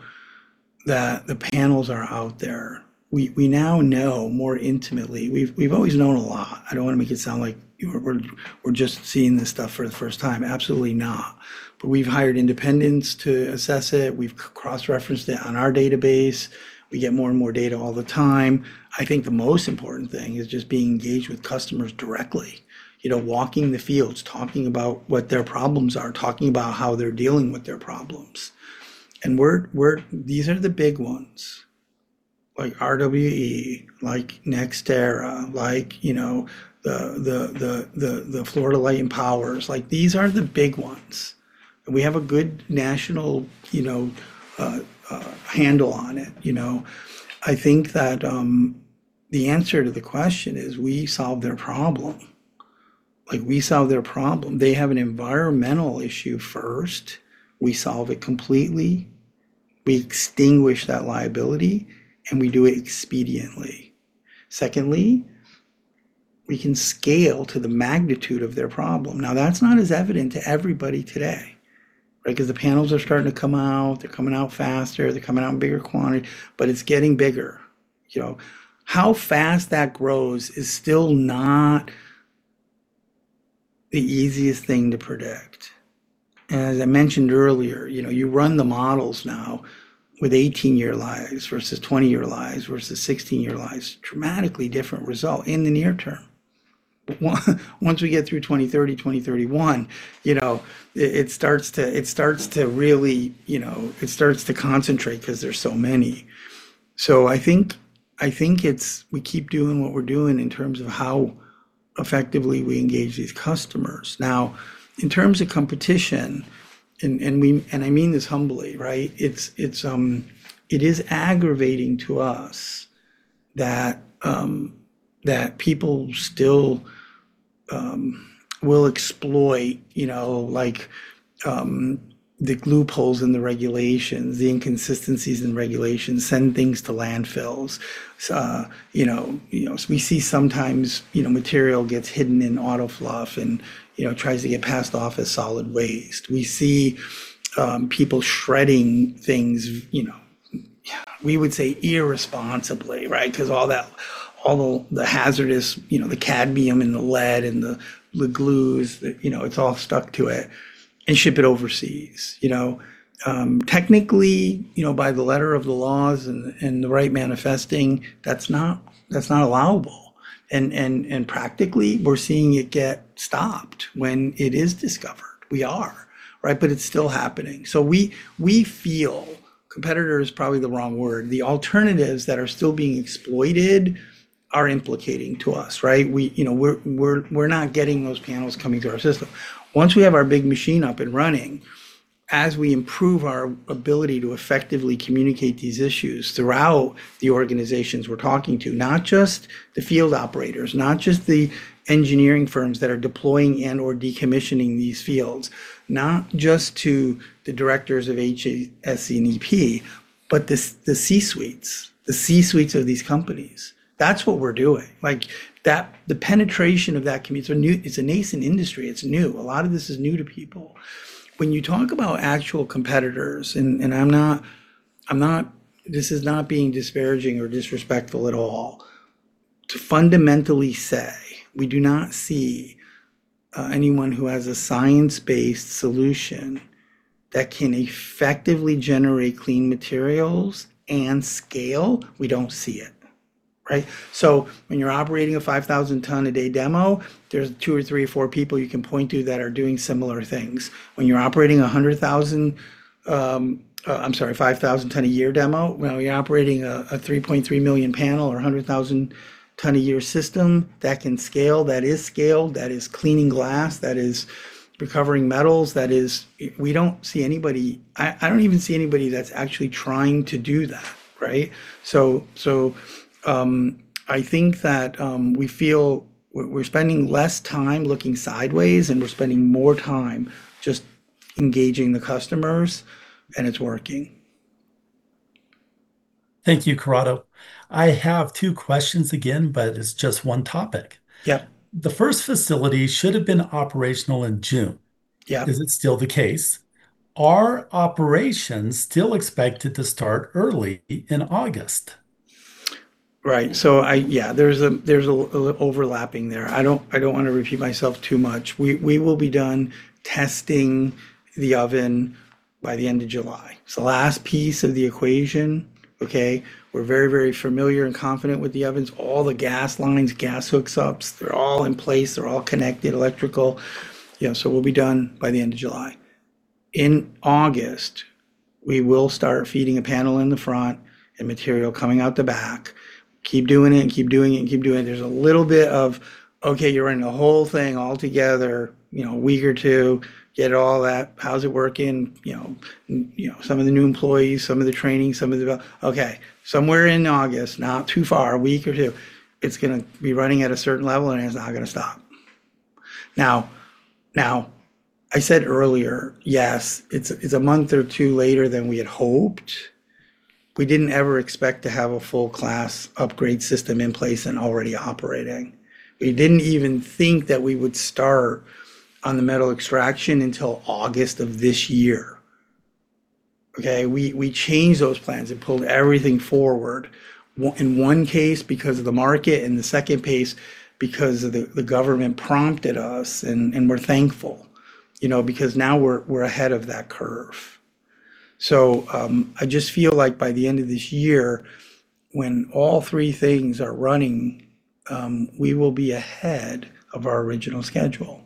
that the panels are out there. We now know more intimately. We've always known a lot. I don't want to make it sound like we're just seeing this stuff for the first time. Absolutely not. We've hired independents to assess it. We've cross-referenced it on our database. We get more and more data all the time. I think the most important thing is just being engaged with customers directly. Walking the fields, talking about what their problems are, talking about how they're dealing with their problems. These are the big ones. Like RWE, like NextEra, like the Florida Power & Light, these are the big ones. We have a good national handle on it. I think that the answer to the question is we solve their problem. They have an environmental issue first, we solve it completely, we extinguish that liability, and we do it expediently. Secondly, we can scale to the magnitude of their problem. Now, that's not as evident to everybody today. The panels are starting to come out, they're coming out faster, they're coming out in bigger quantity, it's getting bigger. How fast that grows is still not the easiest thing to predict. As I mentioned earlier, you run the models now with 18-year lives versus 20-year lives versus 16-year lives, dramatically different result in the near term. Once we get through 2030, 2031, it starts to concentrate because there's so many. I think, we keep doing what we're doing in terms of how effectively we engage these customers. In terms of competition, I mean this humbly. It is aggravating to us that people still will exploit the loopholes in the regulations, the inconsistencies in regulations, send things to landfills. We see sometimes material gets hidden in auto fluff and tries to get passed off as solid waste. We see people shredding things, we would say irresponsibly. Because all the hazardous, the cadmium and the lead and the glues, it's all stuck to it and ship it overseas. Technically, by the letter of the laws and the right manifesting, that's not allowable. Practically, we're seeing it get stopped when it is discovered. We are. It's still happening. We feel, competitor is probably the wrong word, the alternatives that are still being exploited are implicating to us. We're not getting those panels coming through our system. Once we have our big machine up and running, as we improve our ability to effectively communicate these issues throughout the organizations we're talking to, not just the field operators, not just the engineering firms that are deploying and/or decommissioning these fields, not just to the directors of HSE and E&P, but the C-suites of these companies. That's what we're doing. The penetration of that. It's a nascent industry. It's new. A lot of this is new to people. When you talk about actual competitors, this is not being disparaging or disrespectful at all, to fundamentally say, we do not see anyone who has a science-based solution that can effectively generate clean materials and scale. We don't see it. When you're operating a 5,000 ton a day demo, there's two or three or four people you can point to that are doing similar things. When you're operating a 100,000, 5,000 ton a year demo, when you're operating a 3.3 million panel or 100,000 ton a year system that can scale, that is scaled, that is cleaning glass, that is recovering metals. We don't see anybody, I don't even see anybody that's actually trying to do that. I think that we feel we're spending less time looking sideways, we're spending more time just engaging the customers, it's working. Thank you, Corrado. I have two questions again, it's just one topic. Yep. The first facility should have been operational in June. Yep. Is it still the case? Are operations still expected to start early in August? Right. Yeah. There's a little overlapping there. I don't want to repeat myself too much. We will be done testing the oven by the end of July. It's the last piece of the equation, okay? We're very familiar and confident with the ovens. All the gas lines, gas hookups, they're all in place, they're all connected, electrical. We'll be done by the end of July. In August, we will start feeding a panel in the front and material coming out the back. Keep doing it and keep doing it and keep doing it. There's a little bit of, okay, you're running the whole thing altogether, a week or two, get all that. How's it working? Some of the new employees, some of the training. Okay. Somewhere in August, not too far, a week or two, it's going to be running at a certain level, and it's not going to stop. I said earlier, yes, it's a month or two later than we had hoped. We didn't ever expect to have a full class upgrade system in place and already operating. We didn't even think that we would start on the metal extraction until August of this year. Okay. We changed those plans and pulled everything forward. In one case, because of the market, and the second case, because of the government prompted us, and we're thankful. Now we're ahead of that curve. I just feel like by the end of this year, when all three things are running, we will be ahead of our original schedule.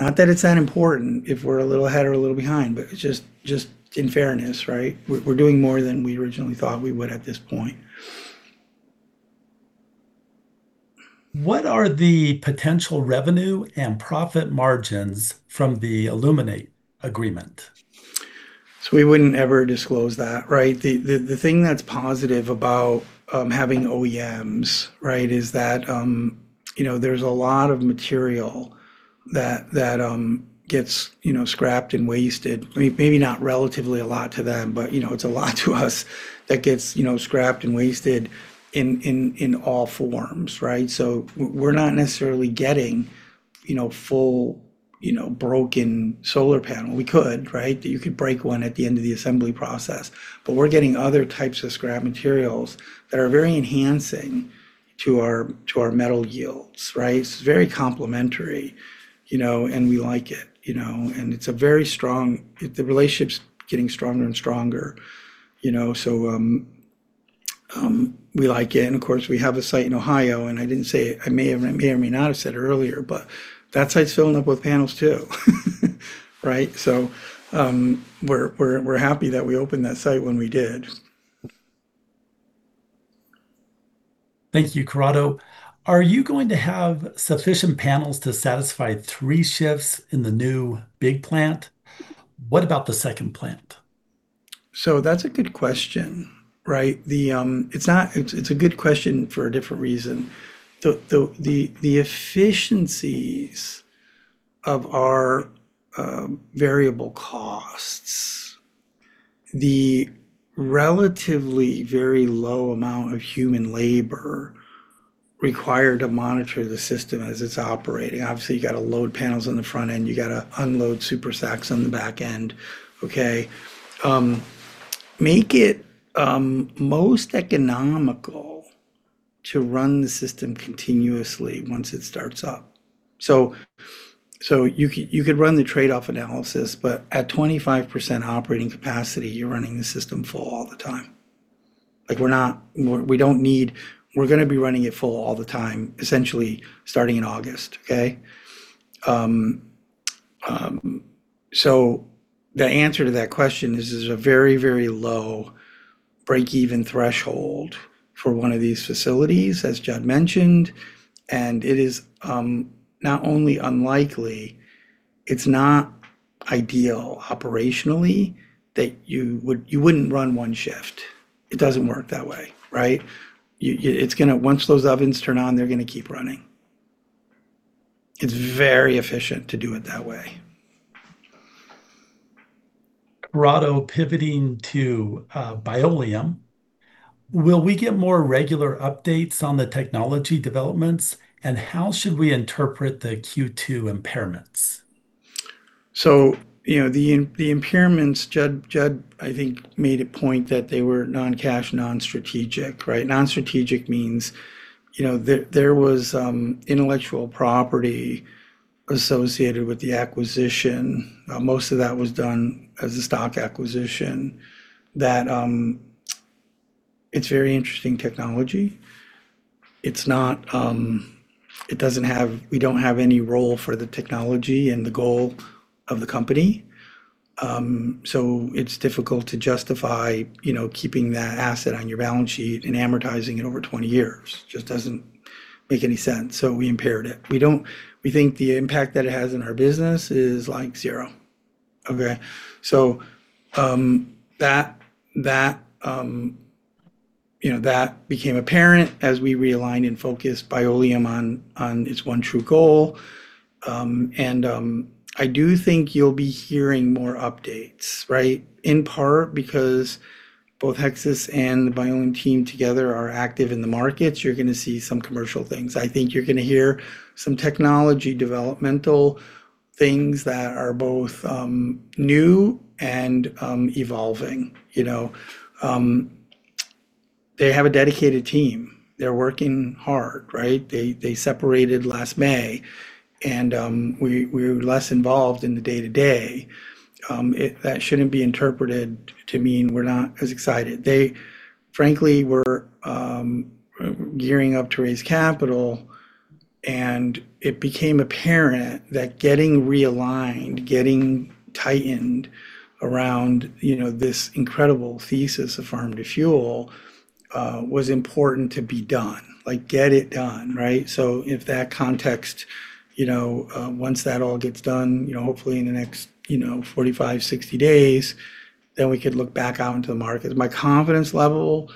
Not that it's that important if we're a little ahead or a little behind, but it's just in fairness, right. We're doing more than we originally thought we would at this point. What are the potential revenue and profit margins from the Illuminate agreement? We wouldn't ever disclose that, right. The thing that's positive about having OEMs is that there's a lot of material that gets scrapped and wasted. Maybe not relatively a lot to them, but it's a lot to us that gets scrapped and wasted in all forms, right. We're not necessarily getting full broken solar panel. We could, right. You could break one at the end of the assembly process, but we're getting other types of scrap materials that are very enhancing to our metal yields, right. It's very complementary, and we like it. The relationship's getting stronger and stronger. We like it, and of course, we have a site in Ohio, and I may or may not have said earlier, but that site's filling up with panels, too. Right. We're happy that we opened that site when we did. Thank you, Corrado. Are you going to have sufficient panels to satisfy three shifts in the new big plant? What about the second plant? That's a good question. It's a good question for a different reason. The efficiencies of our variable costs, the relatively very low amount of human labor required to monitor the system as it's operating. Obviously, you've got to load panels on the front end. You've got to unload super sacks on the back end. Okay. Make it most economical to run the system continuously once it starts up. You could run the trade-off analysis, but at 25% operating capacity, you're running the system full all the time. We're going to be running it full all the time, essentially starting in August. Okay. The answer to that question is there's a very, very low breakeven threshold for one of these facilities, as Judd mentioned, and it is not only unlikely, it's not ideal operationally that you wouldn't run one shift. It doesn't work that way, right? Once those ovens turn on, they're going to keep running. It's very efficient to do it that way. Corrado, pivoting to Bioleum, will we get more regular updates on the technology developments, and how should we interpret the Q2 impairments? The impairments, Judd, I think, made a point that they were non-cash, non-strategic, right? Non-strategic means there was intellectual property associated with the acquisition. Most of that was done as a stock acquisition that it's very interesting technology. We don't have any role for the technology and the goal of the company. It's difficult to justify keeping that asset on your balance sheet and amortizing it over 20 years. Just doesn't make any sense, so we impaired it. We think the impact that it has on our business is zero. Okay. That became apparent as we realigned and focused Bioleum on its one true goal. I do think you'll be hearing more updates, right? In part because both Hexas and the Bioleum team together are active in the markets. You're going to see some commercial things. I think you're going to hear some technology developmental things that are both new and evolving. They have a dedicated team. They're working hard. Right? They separated last May, and we're less involved in the day-to-day. That shouldn't be interpreted to mean we're not as excited. They frankly were gearing up to raise capital, and it became apparent that getting realigned, getting tightened around this incredible thesis of farm-to-fuel was important to be done. Like get it done. Right? In that context, once that all gets done hopefully in the next 45, 60 days, then we could look back out into the market. My confidence level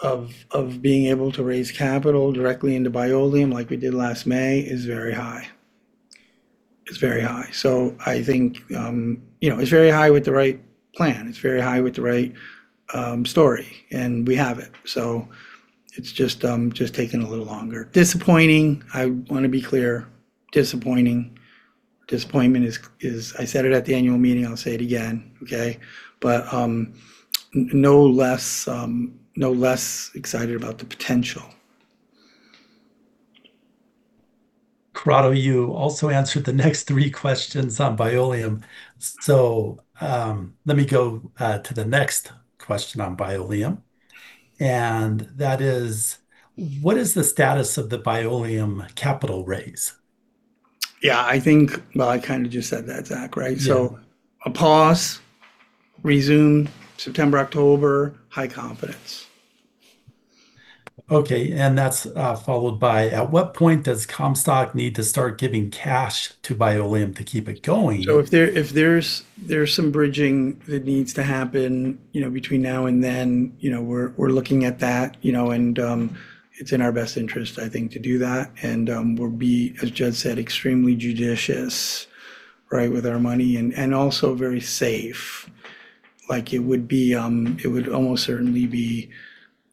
of being able to raise capital directly into Bioleum like we did last May is very high. It's very high. I think it's very high with the right plan. It's very high with the right story, and we have it. It's just taking a little longer. Disappointing, I want to be clear. Disappointing. Disappointment is I said it at the annual meeting, I'll say it again. Okay? No less excited about the potential. Corrado, you also answered the next three questions on Bioleum. Let me go to the next question on Bioleum. That is what is the status of the Bioleum capital raise? I think, well, I kind of just said that, Zach, right? Yeah. A pause, resume September, October, high confidence. That's followed by at what point does Comstock need to start giving cash to Bioleum to keep it going? If there's some bridging that needs to happen between now and then, we're looking at that, and it's in our best interest, I think, to do that. We'll be, as Judd said, extremely judicious with our money and also very safe. It would almost certainly be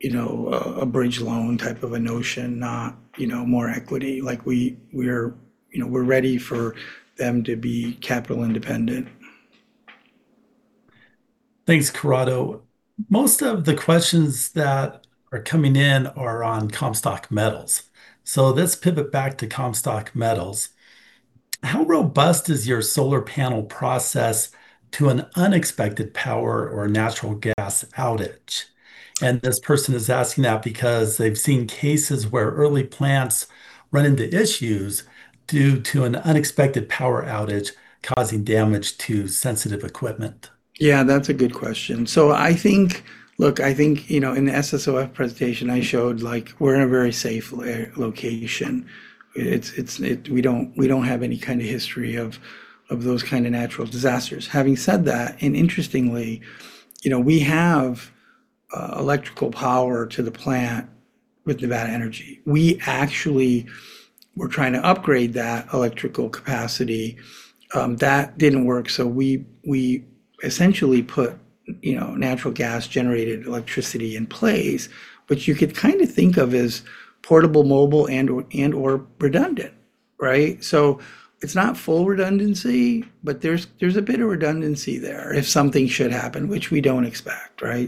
a bridge loan type of a notion, not more equity. We're ready for them to be capital independent. Thanks, Corrado. Most of the questions that are coming in are on Comstock Metals. Let's pivot back to Comstock Metals. How robust is your solar panel process to an unexpected power or natural gas outage? This person is asking that because they've seen cases where early plants run into issues due to an unexpected power outage causing damage to sensitive equipment. That's a good question. I think in the SSOF presentation I showed we're in a very safe location. We don't have any kind of history of those kind of natural disasters. Having said that, interestingly, we have electrical power to the plant with Nevada Energy. We actually were trying to upgrade that electrical capacity, that didn't work, we essentially put natural gas generated electricity in place, which you could think of as portable, mobile, and/or redundant. It's not full redundancy, but there's a bit of redundancy there if something should happen, which we don't expect. I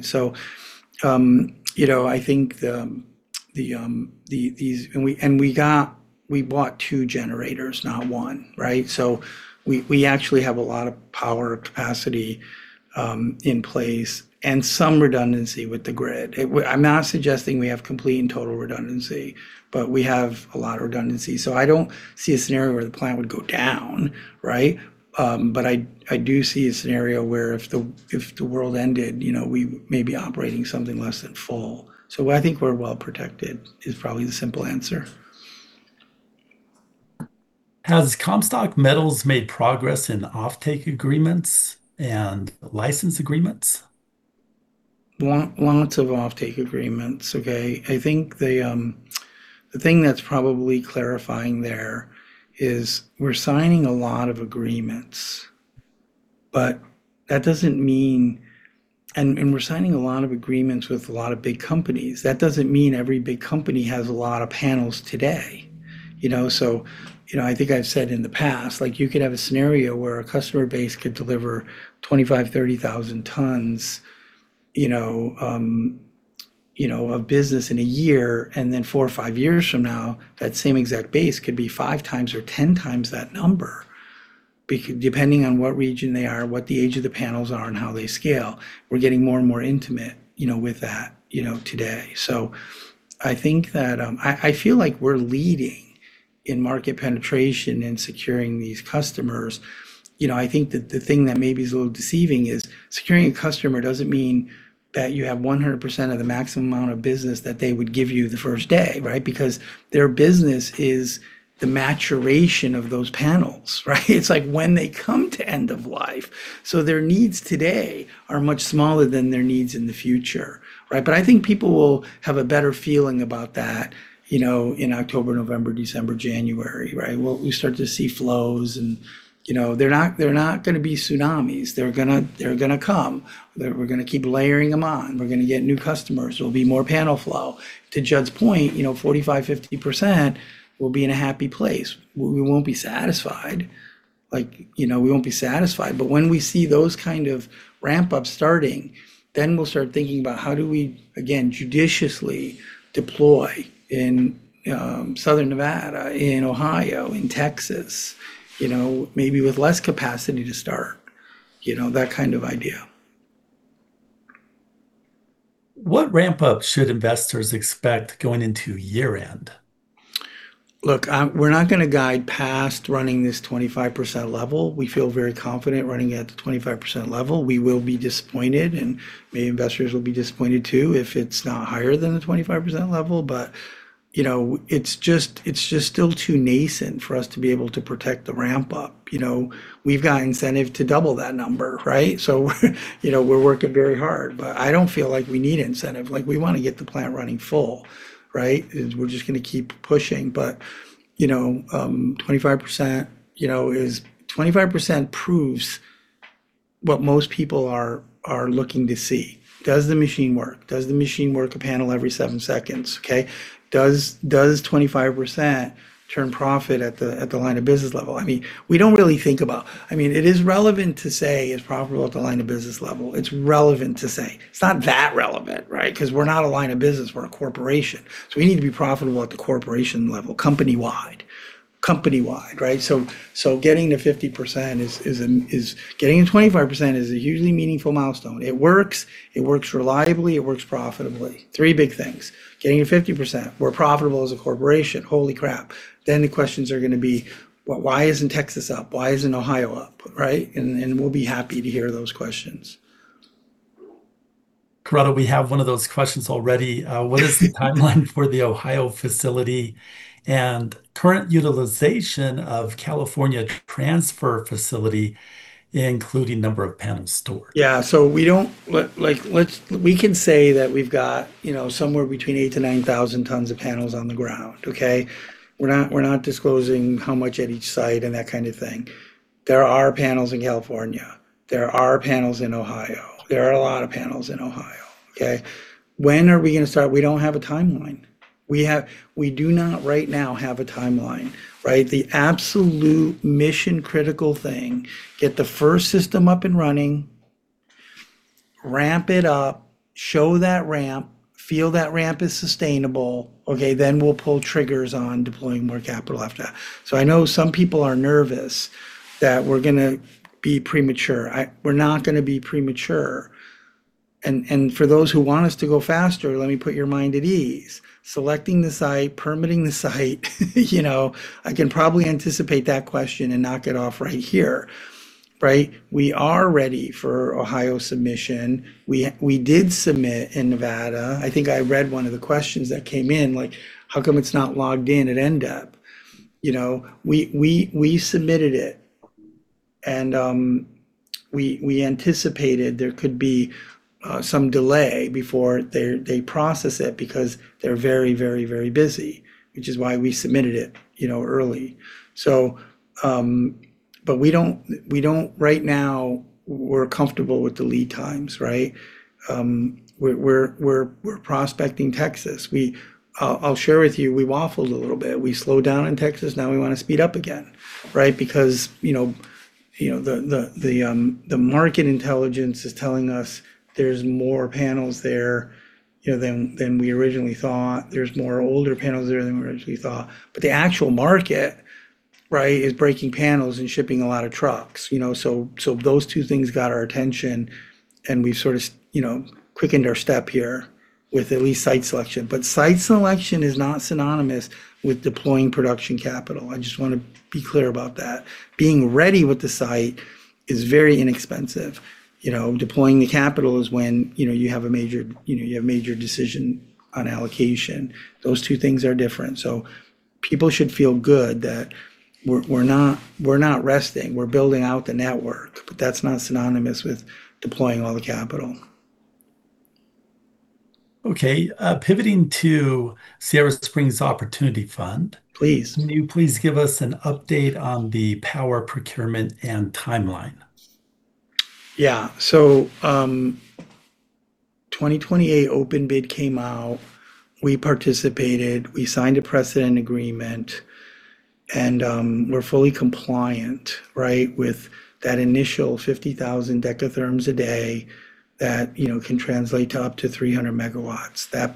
think we bought two generators, not one. We actually have a lot of power capacity in place and some redundancy with the grid. I'm not suggesting we have complete and total redundancy, but we have a lot of redundancy. I don't see a scenario where the plant would go down. I do see a scenario where if the world ended, we may be operating something less than full. I think we're well protected is probably the simple answer. Has Comstock Metals made progress in offtake agreements and license agreements? Lots of offtake agreements. I think the thing that's probably clarifying there is we're signing a lot of agreements, we're signing a lot of agreements with a lot of big companies. That doesn't mean every big company has a lot of panels today. I think I've said in the past, you could have a scenario where a customer base could deliver 25,000, 30,000 tons of business in a year, then four or five years from now, that same exact base could be five times or 10 times that number depending on what region they are, what the age of the panels are, and how they scale. We're getting more and more intimate with that today. I feel like we're leading in market penetration in securing these customers. I think that the thing that maybe is a little deceiving is securing a customer doesn't mean that you have 100% of the maximum amount of business that they would give you the first day. Because their business is the maturation of those panels. It's like when they come to end of life. Their needs today are much smaller than their needs in the future. I think people will have a better feeling about that in October, November, December, January. We start to see flows and they're not going to be tsunamis. They're going to come. We're going to keep layering them on. We're going to get new customers. There'll be more panel flow. To Judd's point, 45%-50% we'll be in a happy place. We won't be satisfied, when we see those kind of ramp up starting, then we'll start thinking about how do we, again, judiciously deploy in Southern Nevada, in Ohio, in Texas, maybe with less capacity to start, that kind of idea. What ramp up should investors expect going into year-end? We're not going to guide past running this 25% level. We feel very confident running at the 25% level. We will be disappointed, maybe investors will be disappointed too, if it's not higher than the 25% level. It's just still too nascent for us to be able to protect the ramp up. We've got incentive to double that number. We're working very hard, I don't feel like we need incentive. We want to get the plant running full. We're just going to keep pushing. 25% proves what most people are looking to see. Does the machine work? Does the machine work a panel every seven seconds? Does 25% turn profit at the line of business level? It is relevant to say it's profitable at the line of business level. It's relevant to say. It's not that relevant. We're not a line of business, we're a corporation, we need to be profitable at the corporation level, company-wide. Company-wide, right? Getting to 50%, getting to 25% is a hugely meaningful milestone. It works, it works reliably, it works profitably. Three big things. Getting to 50%, we're profitable as a corporation. Holy crap. The questions are going to be, well, why isn't Texas up? Why isn't Ohio up? Right? We'll be happy to hear those questions. Corrado, we have one of those questions already. What is the timeline for the Ohio facility and current utilization of California transfer facility, including number of panels stored? Yeah. We can say that we've got somewhere between 8,000-9,000 tons of panels on the ground, okay? We're not disclosing how much at each site and that kind of thing. There are panels in California. There are panels in Ohio. There are a lot of panels in Ohio, okay? When are we going to start? We don't have a timeline. We do not right now have a timeline, right? The absolute mission-critical thing, get the first system up and running, ramp it up, show that ramp, feel that ramp is sustainable, okay, we'll pull triggers on deploying more capital after that. I know some people are nervous that we're going to be premature. We're not going to be premature. For those who want us to go faster, let me put your mind at ease. Selecting the site, permitting the site I can probably anticipate that question and knock it off right here, right? We are ready for Ohio submission. We did submit in Nevada. I think I read one of the questions that came in, like how come it's not logged in at NDEP? We submitted it and we anticipated there could be some delay before they process it because they're very, very, very busy, which is why we submitted it early. Right now, we're comfortable with the lead times, right? We're prospecting Texas. I'll share with you, we waffled a little bit. We slowed down in Texas, now we want to speed up again, right? The market intelligence is telling us there's more panels there than we originally thought. There's more older panels there than we originally thought. The actual market is breaking panels and shipping a lot of trucks. Those two things got our attention and we've sort of quickened our step here with at least site selection. Site selection is not synonymous with deploying production capital. I just want to be clear about that. Being ready with the site is very inexpensive. Deploying the capital is when you have a major decision on allocation. Those two things are different, people should feel good that we're not resting. We're building out the network, but that's not synonymous with deploying all the capital. Okay. Pivoting to Sierra Springs Opportunity Fund. Please. Can you please give us an update on the power procurement and timeline? 2028 open bid came out, we participated, we signed a precedent agreement, and we're fully compliant with that initial 50,000 Dth a day that can translate to up to 300 MW. That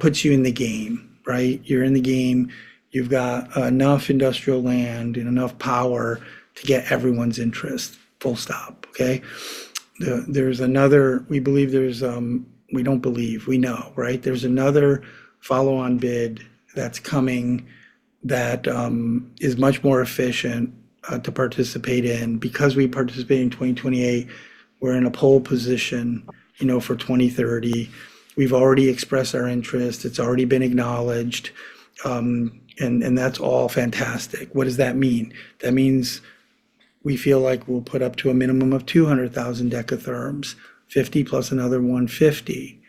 puts you in the game, right? You're in the game, you've got enough industrial land and enough power to get everyone's interest, full stop. Okay? We don't believe, we know, right? There's another follow-on bid that's coming that is much more efficient to participate in. We participated in 2028, we're in a pole position for 2030. We've already expressed our interest. It's already been acknowledged, and that's all fantastic. What does that mean? That means we feel like we'll put up to a minimum of 200,000 Dth, 50 plus another 150.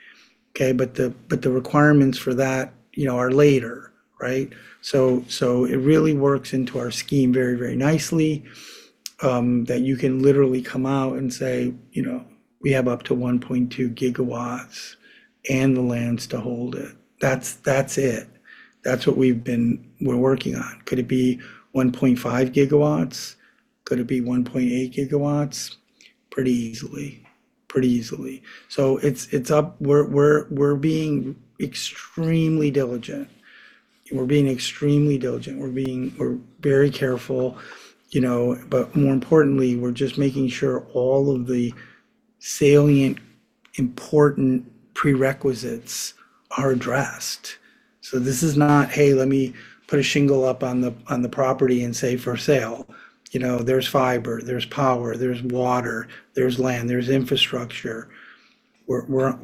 Okay? The requirements for that are later, right? It really works into our scheme very, very nicely that you can literally come out and say, "We have up to 1.2 GW and the lands to hold it." That's it. That's what we're working on. Could it be 1.5 GW? Could it be 1.8 GW? Pretty easily. Pretty easily. We're being extremely diligent. We're very careful. More importantly, we're just making sure all of the salient, important prerequisites are addressed. This is not, hey, let me put a shingle up on the property and say for sale. There's fiber, there's power, there's water, there's land, there's infrastructure. We're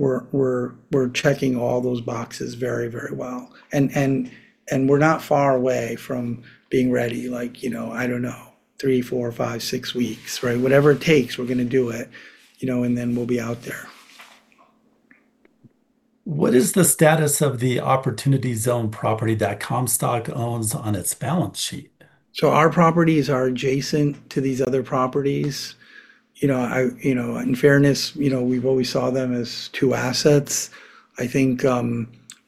checking all those boxes very, very well. We're not far away from being ready, like, I don't know, three, four, five, six weeks, right? Whatever it takes, we're going to do it, and then we'll be out there. What is the status of the opportunity zone property that Comstock owns on its balance sheet? Our properties are adjacent to these other properties. In fairness, we've always saw them as two assets. I think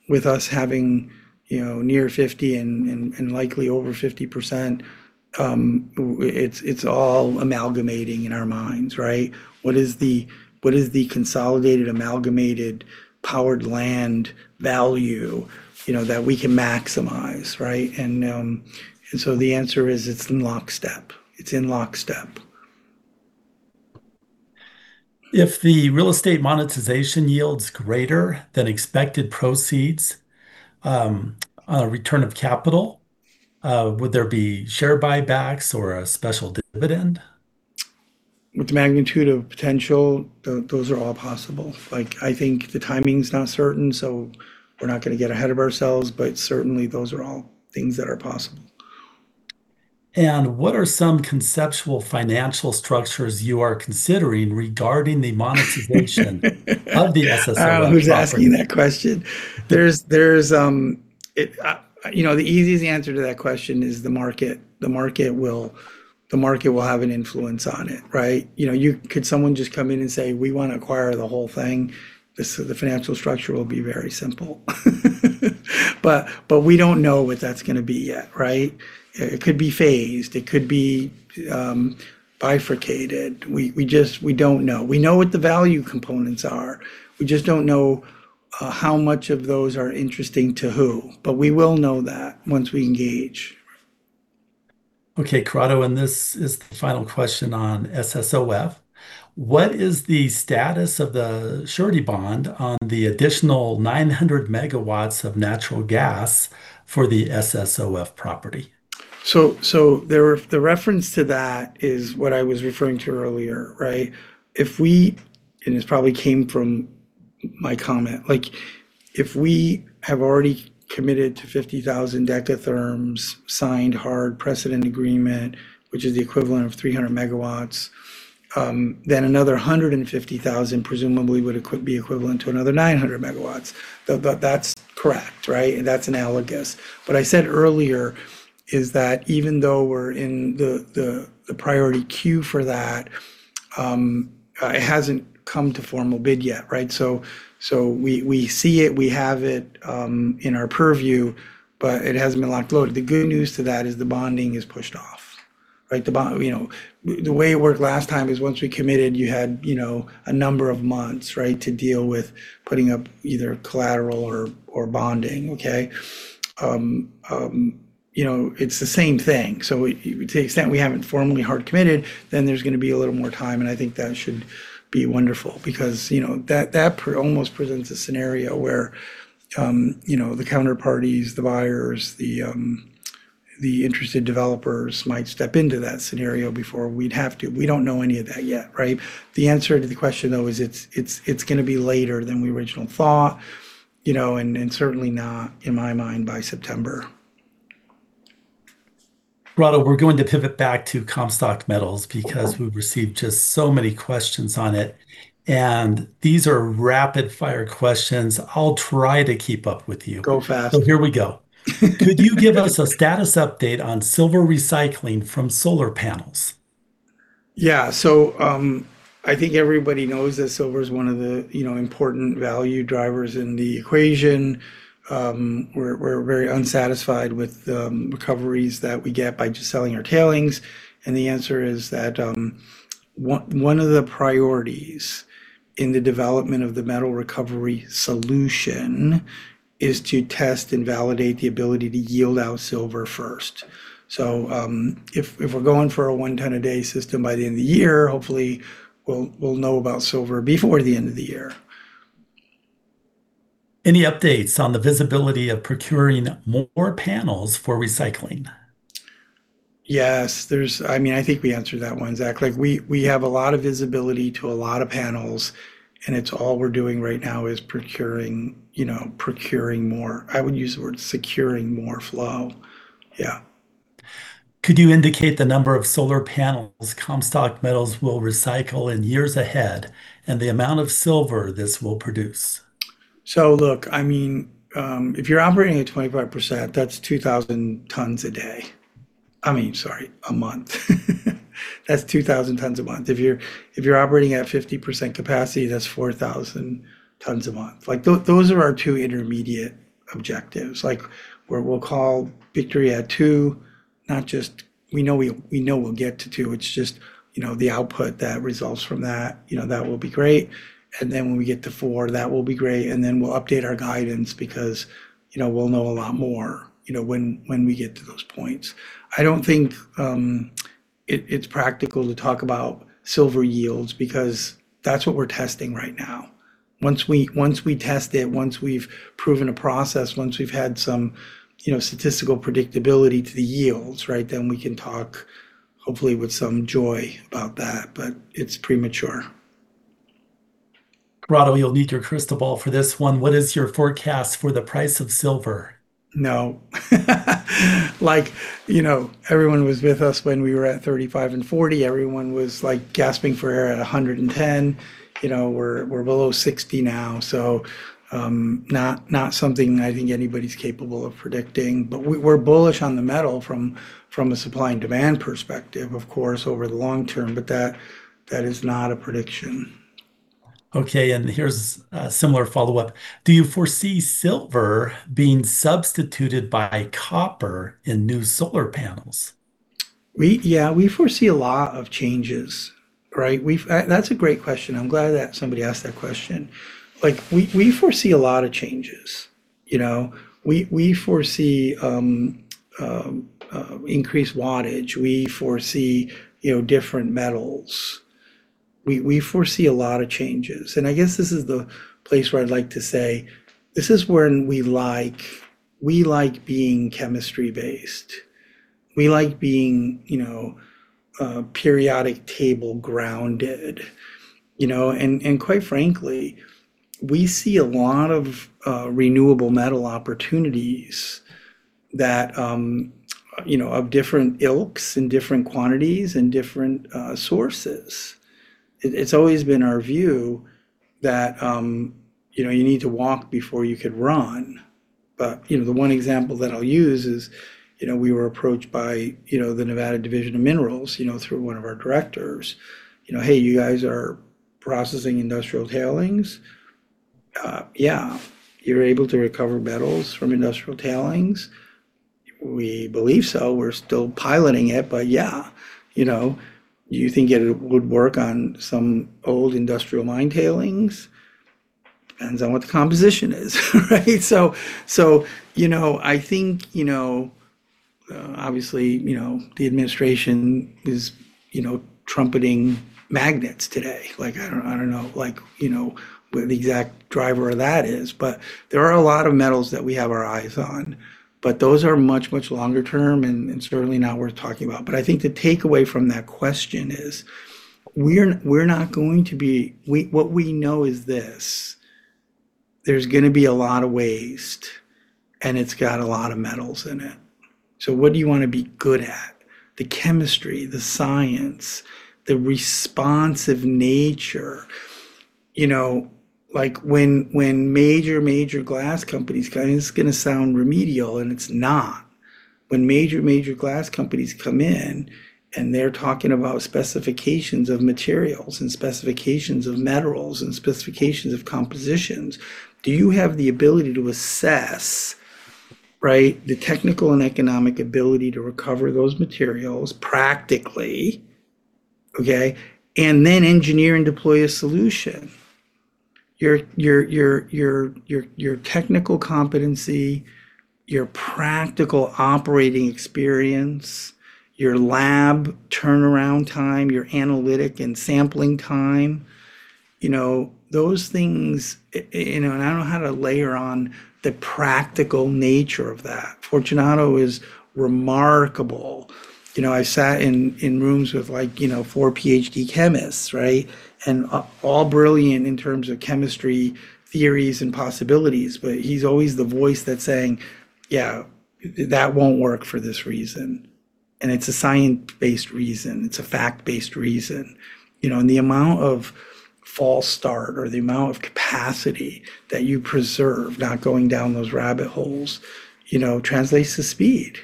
with us having near 50% and likely over 50%. It's all amalgamating in our minds, right? What is the consolidated amalgamated powered land value that we can maximize, right? The answer is it's in lockstep. If the real estate monetization yields greater than expected proceeds on a return of capital, would there be share buybacks or a special dividend? With the magnitude of potential, those are all possible. I think the timing's not certain, so we're not going to get ahead of ourselves, but certainly those are all things that are possible. What are some conceptual financial structures you are considering regarding the monetization of the SSOF property? I don't know who's asking that question. The easiest answer to that question is the market. The market will have an influence on it, right? Could someone just come in and say, "We want to acquire the whole thing"? The financial structure will be very simple. We don't know what that's going to be yet, right? It could be phased. It could be bifurcated. We don't know. We know what the value components are. We just don't know how much of those are interesting to who, but we will know that once we engage. Okay, Corrado, this is the final question on SSOF. What is the status of the surety bond on the additional 900 MW of natural gas for the SSOF property? The reference to that is what I was referring to earlier, right? This probably came from my comment. If we have already committed to 50,000 Dth, signed hard precedent agreement, which is the equivalent of 300 MW, then another 150,000 presumably would be equivalent to another 900 MW. That's correct, right? That's analogous. What I said earlier is that even though we're in the priority queue for that, it hasn't come to formal bid yet, right? We see it, we have it in our purview, but it hasn't been locked, loaded. The good news to that is the bonding is pushed off, right? The way it worked last time is once we committed, you had a number of months, right, to deal with putting up either collateral or bonding. Okay. It's the same thing. To the extent we haven't formally hard committed, then there's going to be a little more time, and I think that should be wonderful, because that almost presents a scenario where the counterparties, the buyers, the interested developers might step into that scenario before we'd have to. We don't know any of that yet, right? The answer to the question, though, is it's going to be later than we originally thought, and certainly not in my mind by September. Corrado, we're going to pivot back to Comstock Metals because we've received just so many questions on it, and these are rapid-fire questions. I'll try to keep up with you. Go fast. Here we go. Could you give us a status update on silver recycling from solar panels? Yeah. I think everybody knows that silver is one of the important value drivers in the equation. We're very unsatisfied with the recoveries that we get by just selling our tailings, the answer is that one of the priorities in the development of the metal recovery solution is to test and validate the ability to yield out silver first. If we're going for a one ton a day system by the end of the year, hopefully we'll know about silver before the end of the year. Any updates on the visibility of procuring more panels for recycling? Yes. I think we answered that one, Zach. We have a lot of visibility to a lot of panels, it's all we're doing right now is procuring more. I would use the word securing more flow. Yeah. Could you indicate the number of solar panels Comstock Metals will recycle in years ahead and the amount of silver this will produce? Look, if you're operating at 25%, that's 2,000 tons a day. I mean, sorry, a month. If you're operating at 50% capacity, that's 4,000 tons a month. Those are our two intermediate objectives, where we'll call victory at two, not just we know we'll get to two, it's just the output that results from that will be great. Then when we get to four, that will be great, and then we'll update our guidance because we'll know a lot more when we get to those points. I don't think it's practical to talk about silver yields because that's what we're testing right now. Once we test it, once we've proven a process, once we've had some statistical predictability to the yields, right, then we can talk hopefully with some joy about that, but it's premature. Corrado, you'll need your crystal ball for this one. What is your forecast for the price of silver? No. Everyone was with us when we were at $35 and $40. Everyone was gasping for air at $110. We're below $60 now, so not something that I think anybody's capable of predicting. We're bullish on the metal from a supply and demand perspective, of course, over the long term, but that is not a prediction. Okay, here's a similar follow-up. Do you foresee silver being substituted by copper in new solar panels? We foresee a lot of changes, right? That's a great question. I'm glad that somebody asked that question. We foresee a lot of changes. We foresee increased wattage. We foresee different metals. We foresee a lot of changes. I guess this is the place where I'd like to say, this is when we like being chemistry-based. We like being periodic table grounded, and quite frankly, we see a lot of renewable metal opportunities of different ilks and different quantities and different sources. It's always been our view that you need to walk before you could run. The one example that I'll use is, we were approached by the Nevada Division of Minerals through one of our directors. "Hey, you guys are processing industrial tailings?" "Yeah." "You're able to recover metals from industrial tailings?" "We believe so. We're still piloting it, but yeah." "You think it would work on some old industrial mine tailings?" "Depends on what the composition is," right? I think, obviously, the administration is trumpeting magnets today. I don't know what the exact driver of that is, there are a lot of metals that we have our eyes on. Those are much, much longer term and certainly not worth talking about. I think the takeaway from that question is we're not going to be-- What we know is this. There's going to be a lot of waste, and it's got a lot of metals in it. What do you want to be good at? The chemistry, the science, the responsive nature. This is going to sound remedial, and it's not. When major glass companies come in and they're talking about specifications of materials and specifications of metals and specifications of compositions, do you have the ability to assess, right, the technical and economic ability to recover those materials practically, okay, and then engineer and deploy a solution? Your technical competency, your practical operating experience, your lab turnaround time, your analytic and sampling time. I don't know how to layer on the practical nature of that. Fortunato is remarkable. I sat in rooms with four PhD chemists, right? All brilliant in terms of chemistry theories and possibilities, he's always the voice that's saying, "Yeah, that won't work for this reason." It's a science-based reason. It's a fact-based reason. The amount of false start or the amount of capacity that you preserve not going down those rabbit holes translates to speed.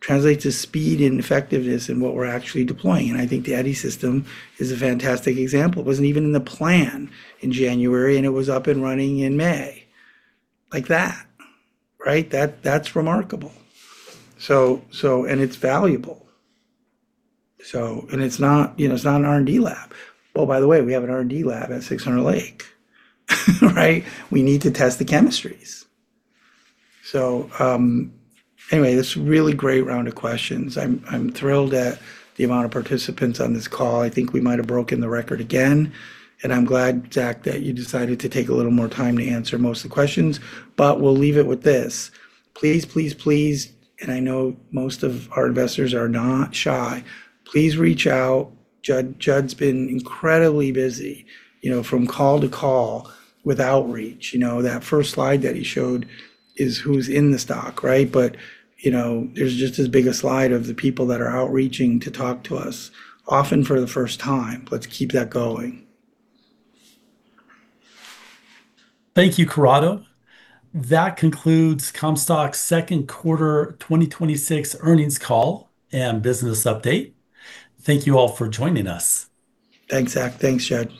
Translates to speed and effectiveness in what we're actually deploying. I think the Eddy system is a fantastic example. It wasn't even in the plan in January. It was up and running in May. Like that, right? That's remarkable. It's valuable. It's not an R&D lab. Oh, by the way, we have an R&D lab at 600 Lake, right? We need to test the chemistries. Anyway, this was a really great round of questions. I'm thrilled at the amount of participants on this call. I think we might have broken the record again. I'm glad, Zach, that you decided to take a little more time to answer most of the questions. We'll leave it with this. Please, I know most of our investors are not shy, please reach out. Judd's been incredibly busy from call to call with outreach. That first slide that he showed is who's in the stock, right? There's just as big a slide of the people that are outreaching to talk to us, often for the first time. Let's keep that going. Thank you, Corrado. That concludes Comstock's second quarter 2026 earnings call and business update. Thank you all for joining us. Thanks, Zach. Thanks, Judd.